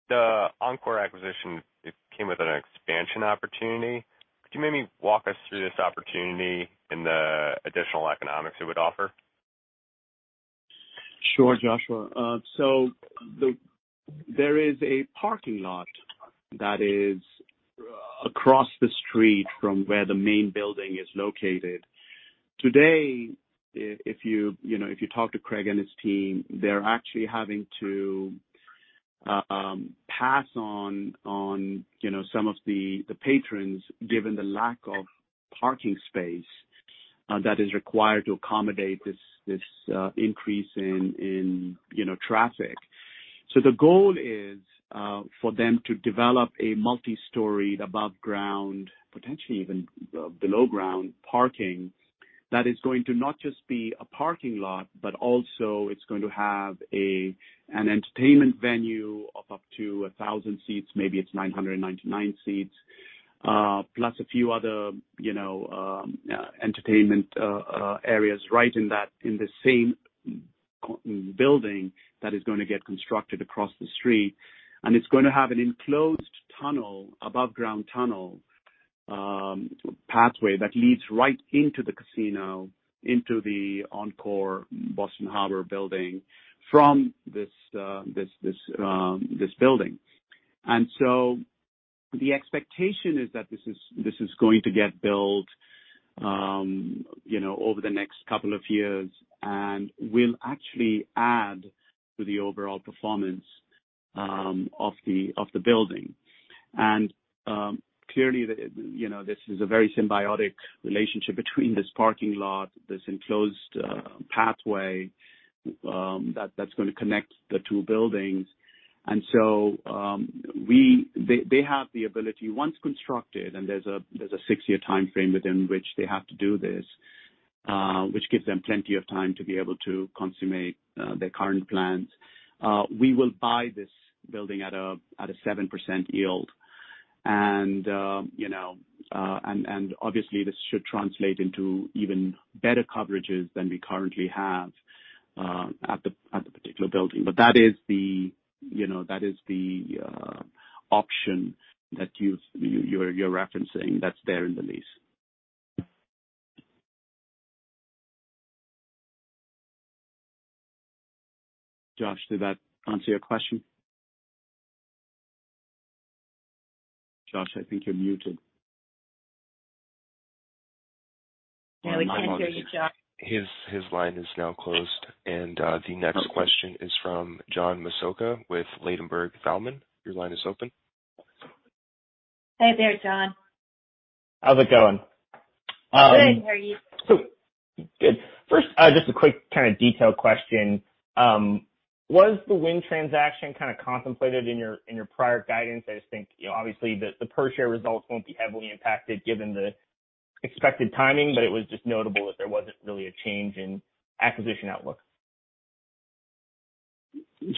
the Encore acquisition, it came with an expansion opportunity. Could you maybe walk us through this opportunity and the additional economics it would offer? Sure, Joshua. There is a parking lot that is across the street from where the main building is located. Today, if you know, if you talk to Craig and his team, they're actually having to pass on, you know, some of the patrons, given the lack of parking space that is required to accommodate this increase in, you know, traffic. The goal is for them to develop a multi-story above ground, potentially even below ground parking, that is going to not just be a parking lot, but also it's going to have an entertainment venue of up to 1,000 seats, maybe it's 999 seats, plus a few other, you know, entertainment areas right in that same building that is gonna get constructed across the street. It's gonna have an enclosed tunnel, above ground tunnel, pathway that leads right into the casino, into the Encore Boston Harbor building from this building. The expectation is that this is going to get built, you know, over the next couple of years and will actually add to the overall performance of the building. Clearly, you know, this is a very symbiotic relationship between this parking lot, this enclosed pathway that's gonna connect the two buildings. They have the ability once constructed, and there's a six-year timeframe within which they have to do this, which gives them plenty of time to be able to consummate their current plans. We will buy this building at a 7% yield. You know, and obviously this should translate into even better coverages than we currently have at the particular building. That is the, you know, option that you're referencing that's there in the lease. Josh, did that answer your question? Josh, I think you're muted. I can't hear you, Josh. His line is now closed. The next question is from John Massocca with Ladenburg Thalmann. Your line is open. Hey there, John. How's it going? Good. How are you? Good. First, just a quick kind of detail question. Was the Wynn transaction kind of contemplated in your prior guidance? I just think, you know, obviously the per share results won't be heavily impacted given the expected timing, but it was just notable that there wasn't really a change in acquisition outlook.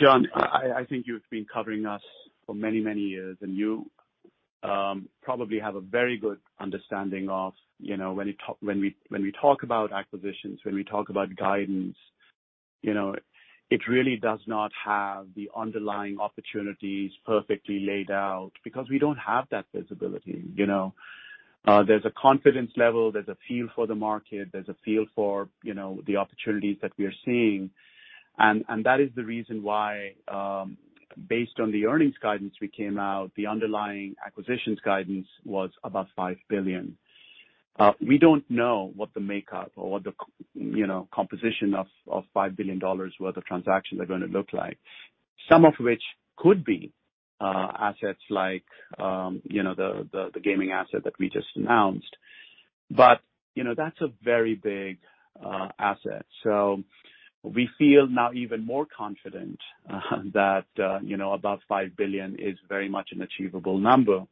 John, I think you've been covering us for many years, and you probably have a very good understanding of, you know, when we talk about acquisitions, when we talk about guidance, you know, it really does not have the underlying opportunities perfectly laid out because we don't have that visibility, you know. There's a confidence level, there's a feel for the market, there's a feel for, you know, the opportunities that we are seeing. That is the reason why, based on the earnings guidance we came out, the underlying acquisitions guidance was above $5 billion. We don't know what the makeup or the, you know, composition of $5 billion worth of transactions are gonna look like. Some of which could be assets like, you know, the gaming asset that we just announced. You know, that's a very big asset. We feel now even more confident that, you know, about $5 billion is very much an achievable number,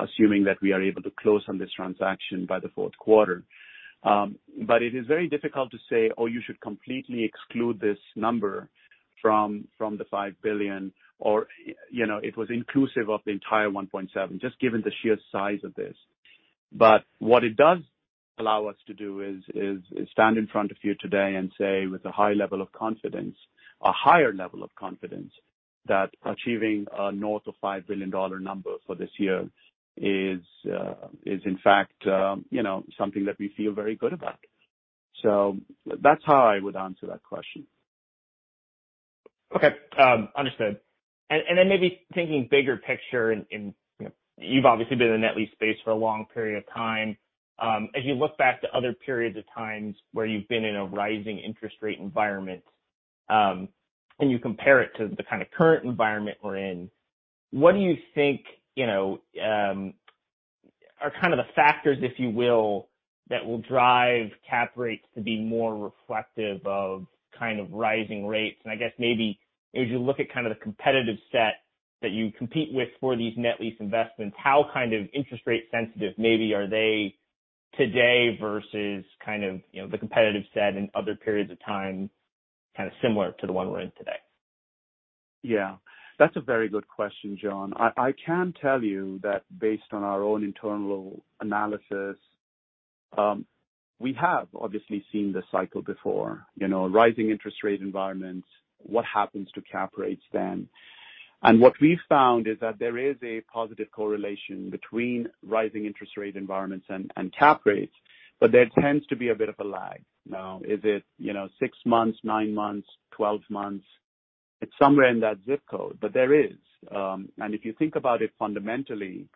assuming that we are able to close on this transaction by the fourth quarter. It is very difficult to say, "Oh, you should completely exclude this number from the $5 billion," or, you know, it was inclusive of the entire $1.7, just given the sheer size of this. What it does allow us to do is stand in front of you today and say with a high level of confidence, a higher level of confidence, that achieving north of $5 billion number for this year is in fact, you know, something that we feel very good about. That's how I would answer that question. Okay. Understood. Then maybe thinking bigger picture in, you know, you've obviously been in the net lease space for a long period of time. As you look back to other periods of times where you've been in a rising interest rate environment, and you compare it to the kind of current environment we're in, what do you think, are kind of the factors, if you will, that will drive cap rates to be more reflective of kind of rising rates? I guess maybe as you look at kind of the competitive set that you compete with for these net lease investments, how kind of interest rate sensitive maybe are they today versus kind of the competitive set in other periods of time, kind of similar to the one we're in today? Yeah, that's a very good question, John. I can tell you that based on our own internal analysis, we have obviously seen this cycle before. You know, rising interest rate environments, what happens to cap rates then? What we've found is that there is a positive correlation between rising interest rate environments and cap rates, but there tends to be a bit of a lag. Now, is it, you know, six months, nine months, 12 months? It's somewhere in that zip code, but there is. If you think about it fundamentally,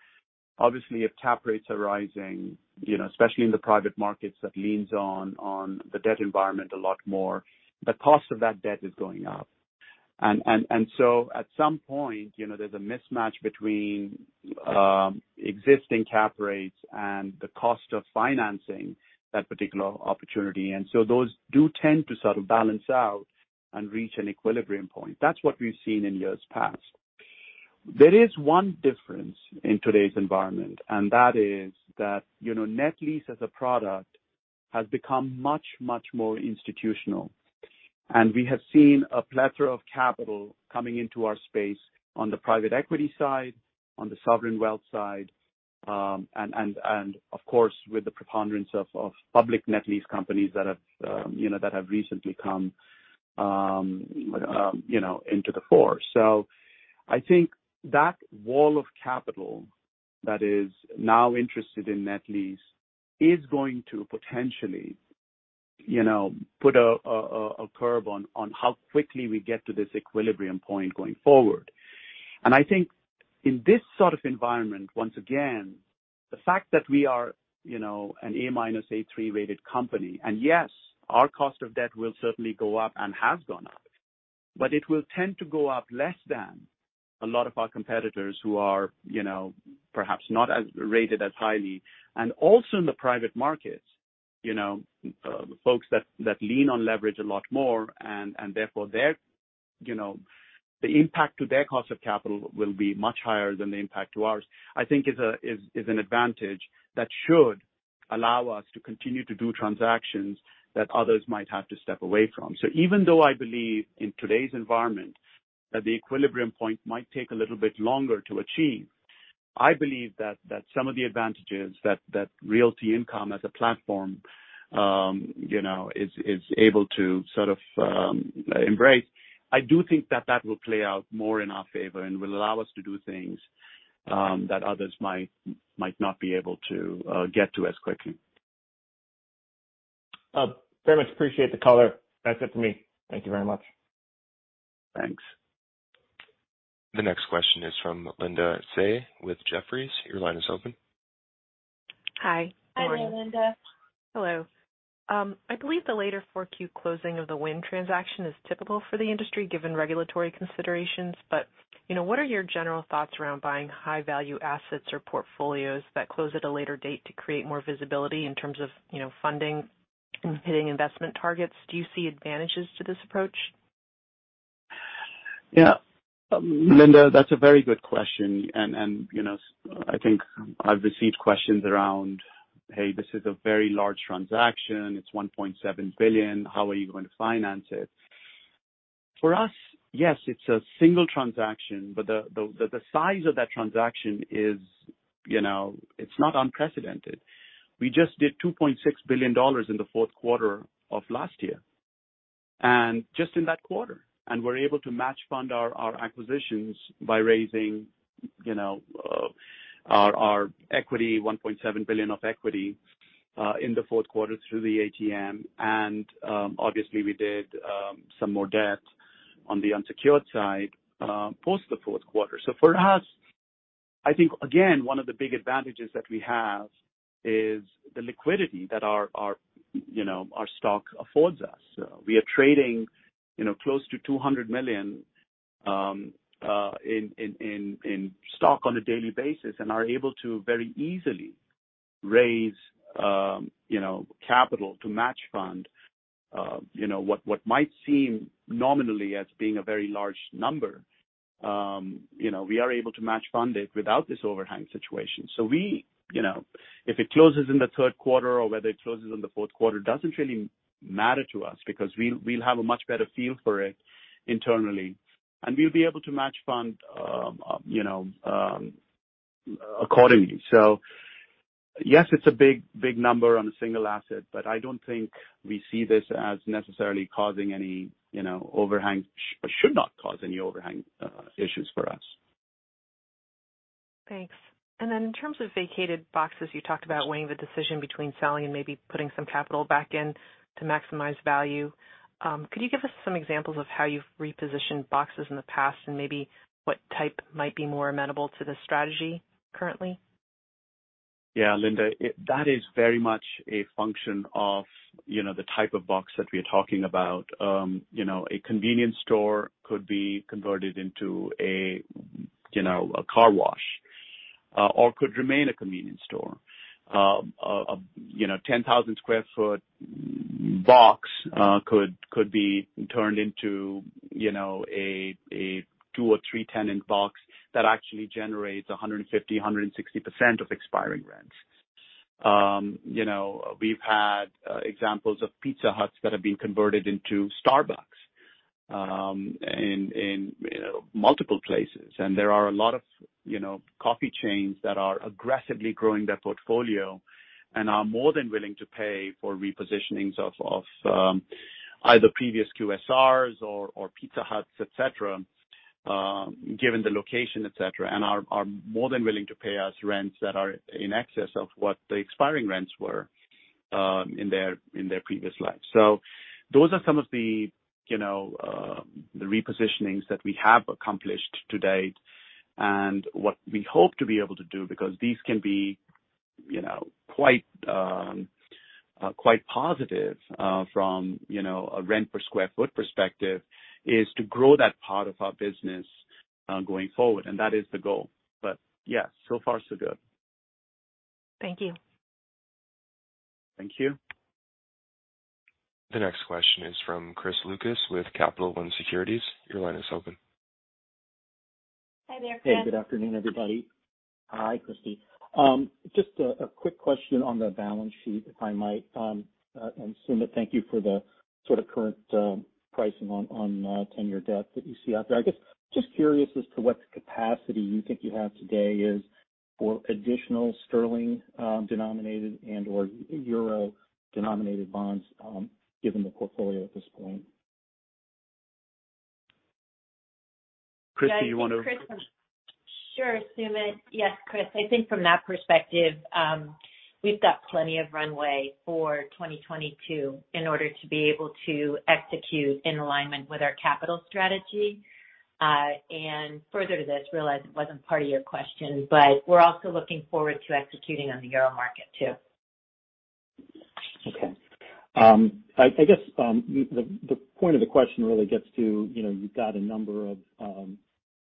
obviously if cap rates are rising, you know, especially in the private markets, that leans on the debt environment a lot more. The cost of that debt is going up. At some point, you know, there's a mismatch between existing cap rates and the cost of financing that particular opportunity. Those do tend to sort of balance out and reach an equilibrium point. That's what we've seen in years past. There is one difference in today's environment, and that is that, you know, net lease as a product has become much, much more institutional. We have seen a plethora of capital coming into our space on the private equity side, on the sovereign wealth side, and of course, with the preponderance of public net lease companies that have, you know, that have recently come into the fore. I think that wall of capital that is now interested in net lease is going to potentially, you know, put a curb on how quickly we get to this equilibrium point going forward. I think in this sort of environment, once again, the fact that we are, you know, an A-, A3-rated company, and yes, our cost of debt will certainly go up and has gone up, but it will tend to go up less than a lot of our competitors who are, you know, perhaps not as rated as highly. Also in the private markets, you know, folks that lean on leverage a lot more and therefore their, you know... The impact to their cost of capital will be much higher than the impact to ours. I think is an advantage that should allow us to continue to do transactions that others might have to step away from. Even though I believe in today's environment that the equilibrium point might take a little bit longer to achieve, I believe that some of the advantages that Realty Income as a platform, you know, is able to sort of embrace. I do think that will play out more in our favor and will allow us to do things that others might not be able to get to as quickly. I very much appreciate the color. That's it for me. Thank you very much. Thanks. The next question is from Linda Tsai with Jefferies. Your line is open. Hi. Good morning. Hi, Linda. Hello. I believe the later Q4 closing of the Wynn transaction is typical for the industry, given regulatory considerations. You know, what are your general thoughts around buying high-value assets or portfolios that close at a later date to create more visibility in terms of, you know, funding and hitting investment targets? Do you see advantages to this approach? Yeah. Linda, that's a very good question. You know, I think I've received questions around, "Hey, this is a very large transaction. It's $1.7 billion. How are you going to finance it?" For us, yes, it's a single transaction, but the size of that transaction is, you know, it's not unprecedented. We just did $2.6 billion in the fourth quarter of last year. Just in that quarter, we're able to match fund our acquisitions by raising, you know, our equity, $1.7 billion of equity, in the fourth quarter through the ATM. Obviously we did some more debt on the unsecured side, post the fourth quarter. For us, I think again, one of the big advantages that we have is the liquidity that our stock affords us. We are trading you know, close to $200 million in stock on a daily basis and are able to very easily raise you know, capital to match fund you know, what might seem nominally as being a very large number. You know, we are able to match fund it without this overhang situation. We you know, if it closes in the third quarter or whether it closes in the fourth quarter doesn't really matter to us because we'll have a much better feel for it internally. We'll be able to match fund you know, accordingly. Yes, it's a big number on a single asset, but I don't think we see this as necessarily causing any, you know, overhang issues for us. Thanks. In terms of vacated boxes, you talked about weighing the decision between selling and maybe putting some capital back in to maximize value. Could you give us some examples of how you've repositioned boxes in the past and maybe what type might be more amenable to this strategy currently? Yeah, Linda, that is very much a function of, you know, the type of box that we're talking about. You know, a convenience store could be converted into a, you know, a car wash, or could remain a convenience store. You know, a 10,000 sq ft box could be turned into, you know, a two or three tenant box that actually generates 150%-160% of expiring rents. You know, we've had examples of Pizza Huts that have been converted into Starbucks, you know, in multiple places. There are a lot of, you know, coffee chains that are aggressively growing their portfolio and are more than willing to pay for repositionings of either previous QSRs or Pizza Huts, et cetera, given the location, et cetera, and are more than willing to pay us rents that are in excess of what the expiring rents were in their previous life. Those are some of the, you know, the repositionings that we have accomplished to date and what we hope to be able to do because these can be, you know, quite positive from, you know, a rent per square foot perspective, is to grow that part of our business going forward. That is the goal. Yeah, so far so good. Thank you. Thank you. The next question is from Chris Lucas with Capital One Securities. Your line is open. Hi there, Chris. Hey, good afternoon, everybody. Hi, Christie. Just a quick question on the balance sheet, if I might. And Sumit, thank you for the sort of current pricing on ten-year debt that you see out there. I guess, just curious as to what capacity you think you have today is for additional sterling-denominated and/or euro-denominated bonds, given the portfolio at this point. Christie, you wanna- Sure, Sumit. Yes, Chris. I think from that perspective, we've got plenty of runway for 2022 in order to be able to execute in alignment with our capital strategy. Further to this, I realize it wasn't part of your question, but we're also looking forward to executing on the euro market too. Okay. I guess the point of the question really gets to, you know, you've got a number of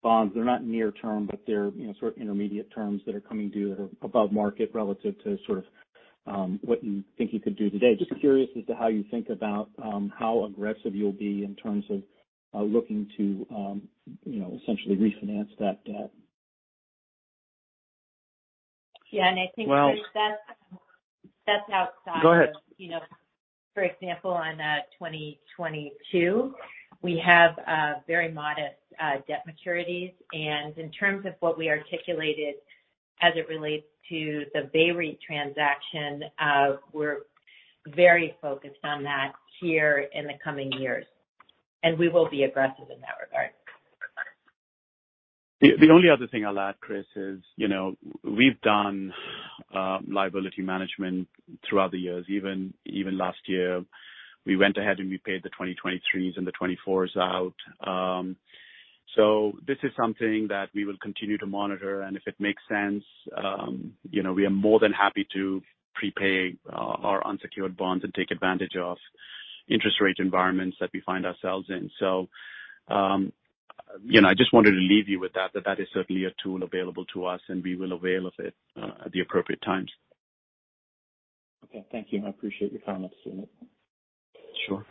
bonds that are not near term, but they're, you know, sort of intermediate terms that are coming due that are above market relative to sort of what you think you could do today. Just curious as to how you think about how aggressive you'll be in terms of looking to, you know, essentially refinance that debt. Yeah. I think Well- That's, that's outside of- Go ahead. You know, for example, on 2022, we have very modest debt maturities. In terms of what we articulated as it relates to the VEREIT transaction, we're very focused on that here in the coming years. We will be aggressive in that regard. The only other thing I'll add, Chris, is, you know, we've done liability management throughout the years. Even last year, we went ahead and repaid the 2023s and the 2024s out. So this is something that we will continue to monitor, and if it makes sense, you know, we are more than happy to prepay our unsecured bonds and take advantage of interest rate environments that we find ourselves in. So you know, I just wanted to leave you with that is certainly a tool available to us, and we will avail of it at the appropriate times. Okay. Thank you. I appreciate your comments, Sumit. Sure.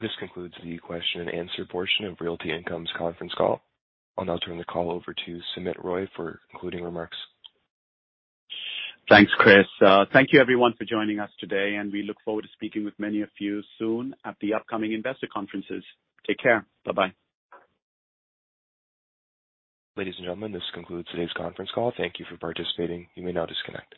This concludes the Q&A portion of Realty Income's conference call. I'll now turn the call over to Sumit Roy for concluding remarks. Thanks, Chris. Thank you everyone for joining us today, and we look forward to speaking with many of you soon at the upcoming investor conferences. Take care. Bye-bye. Ladies and gentlemen, this concludes today's conference call. Thank you for participating. You may now disconnect.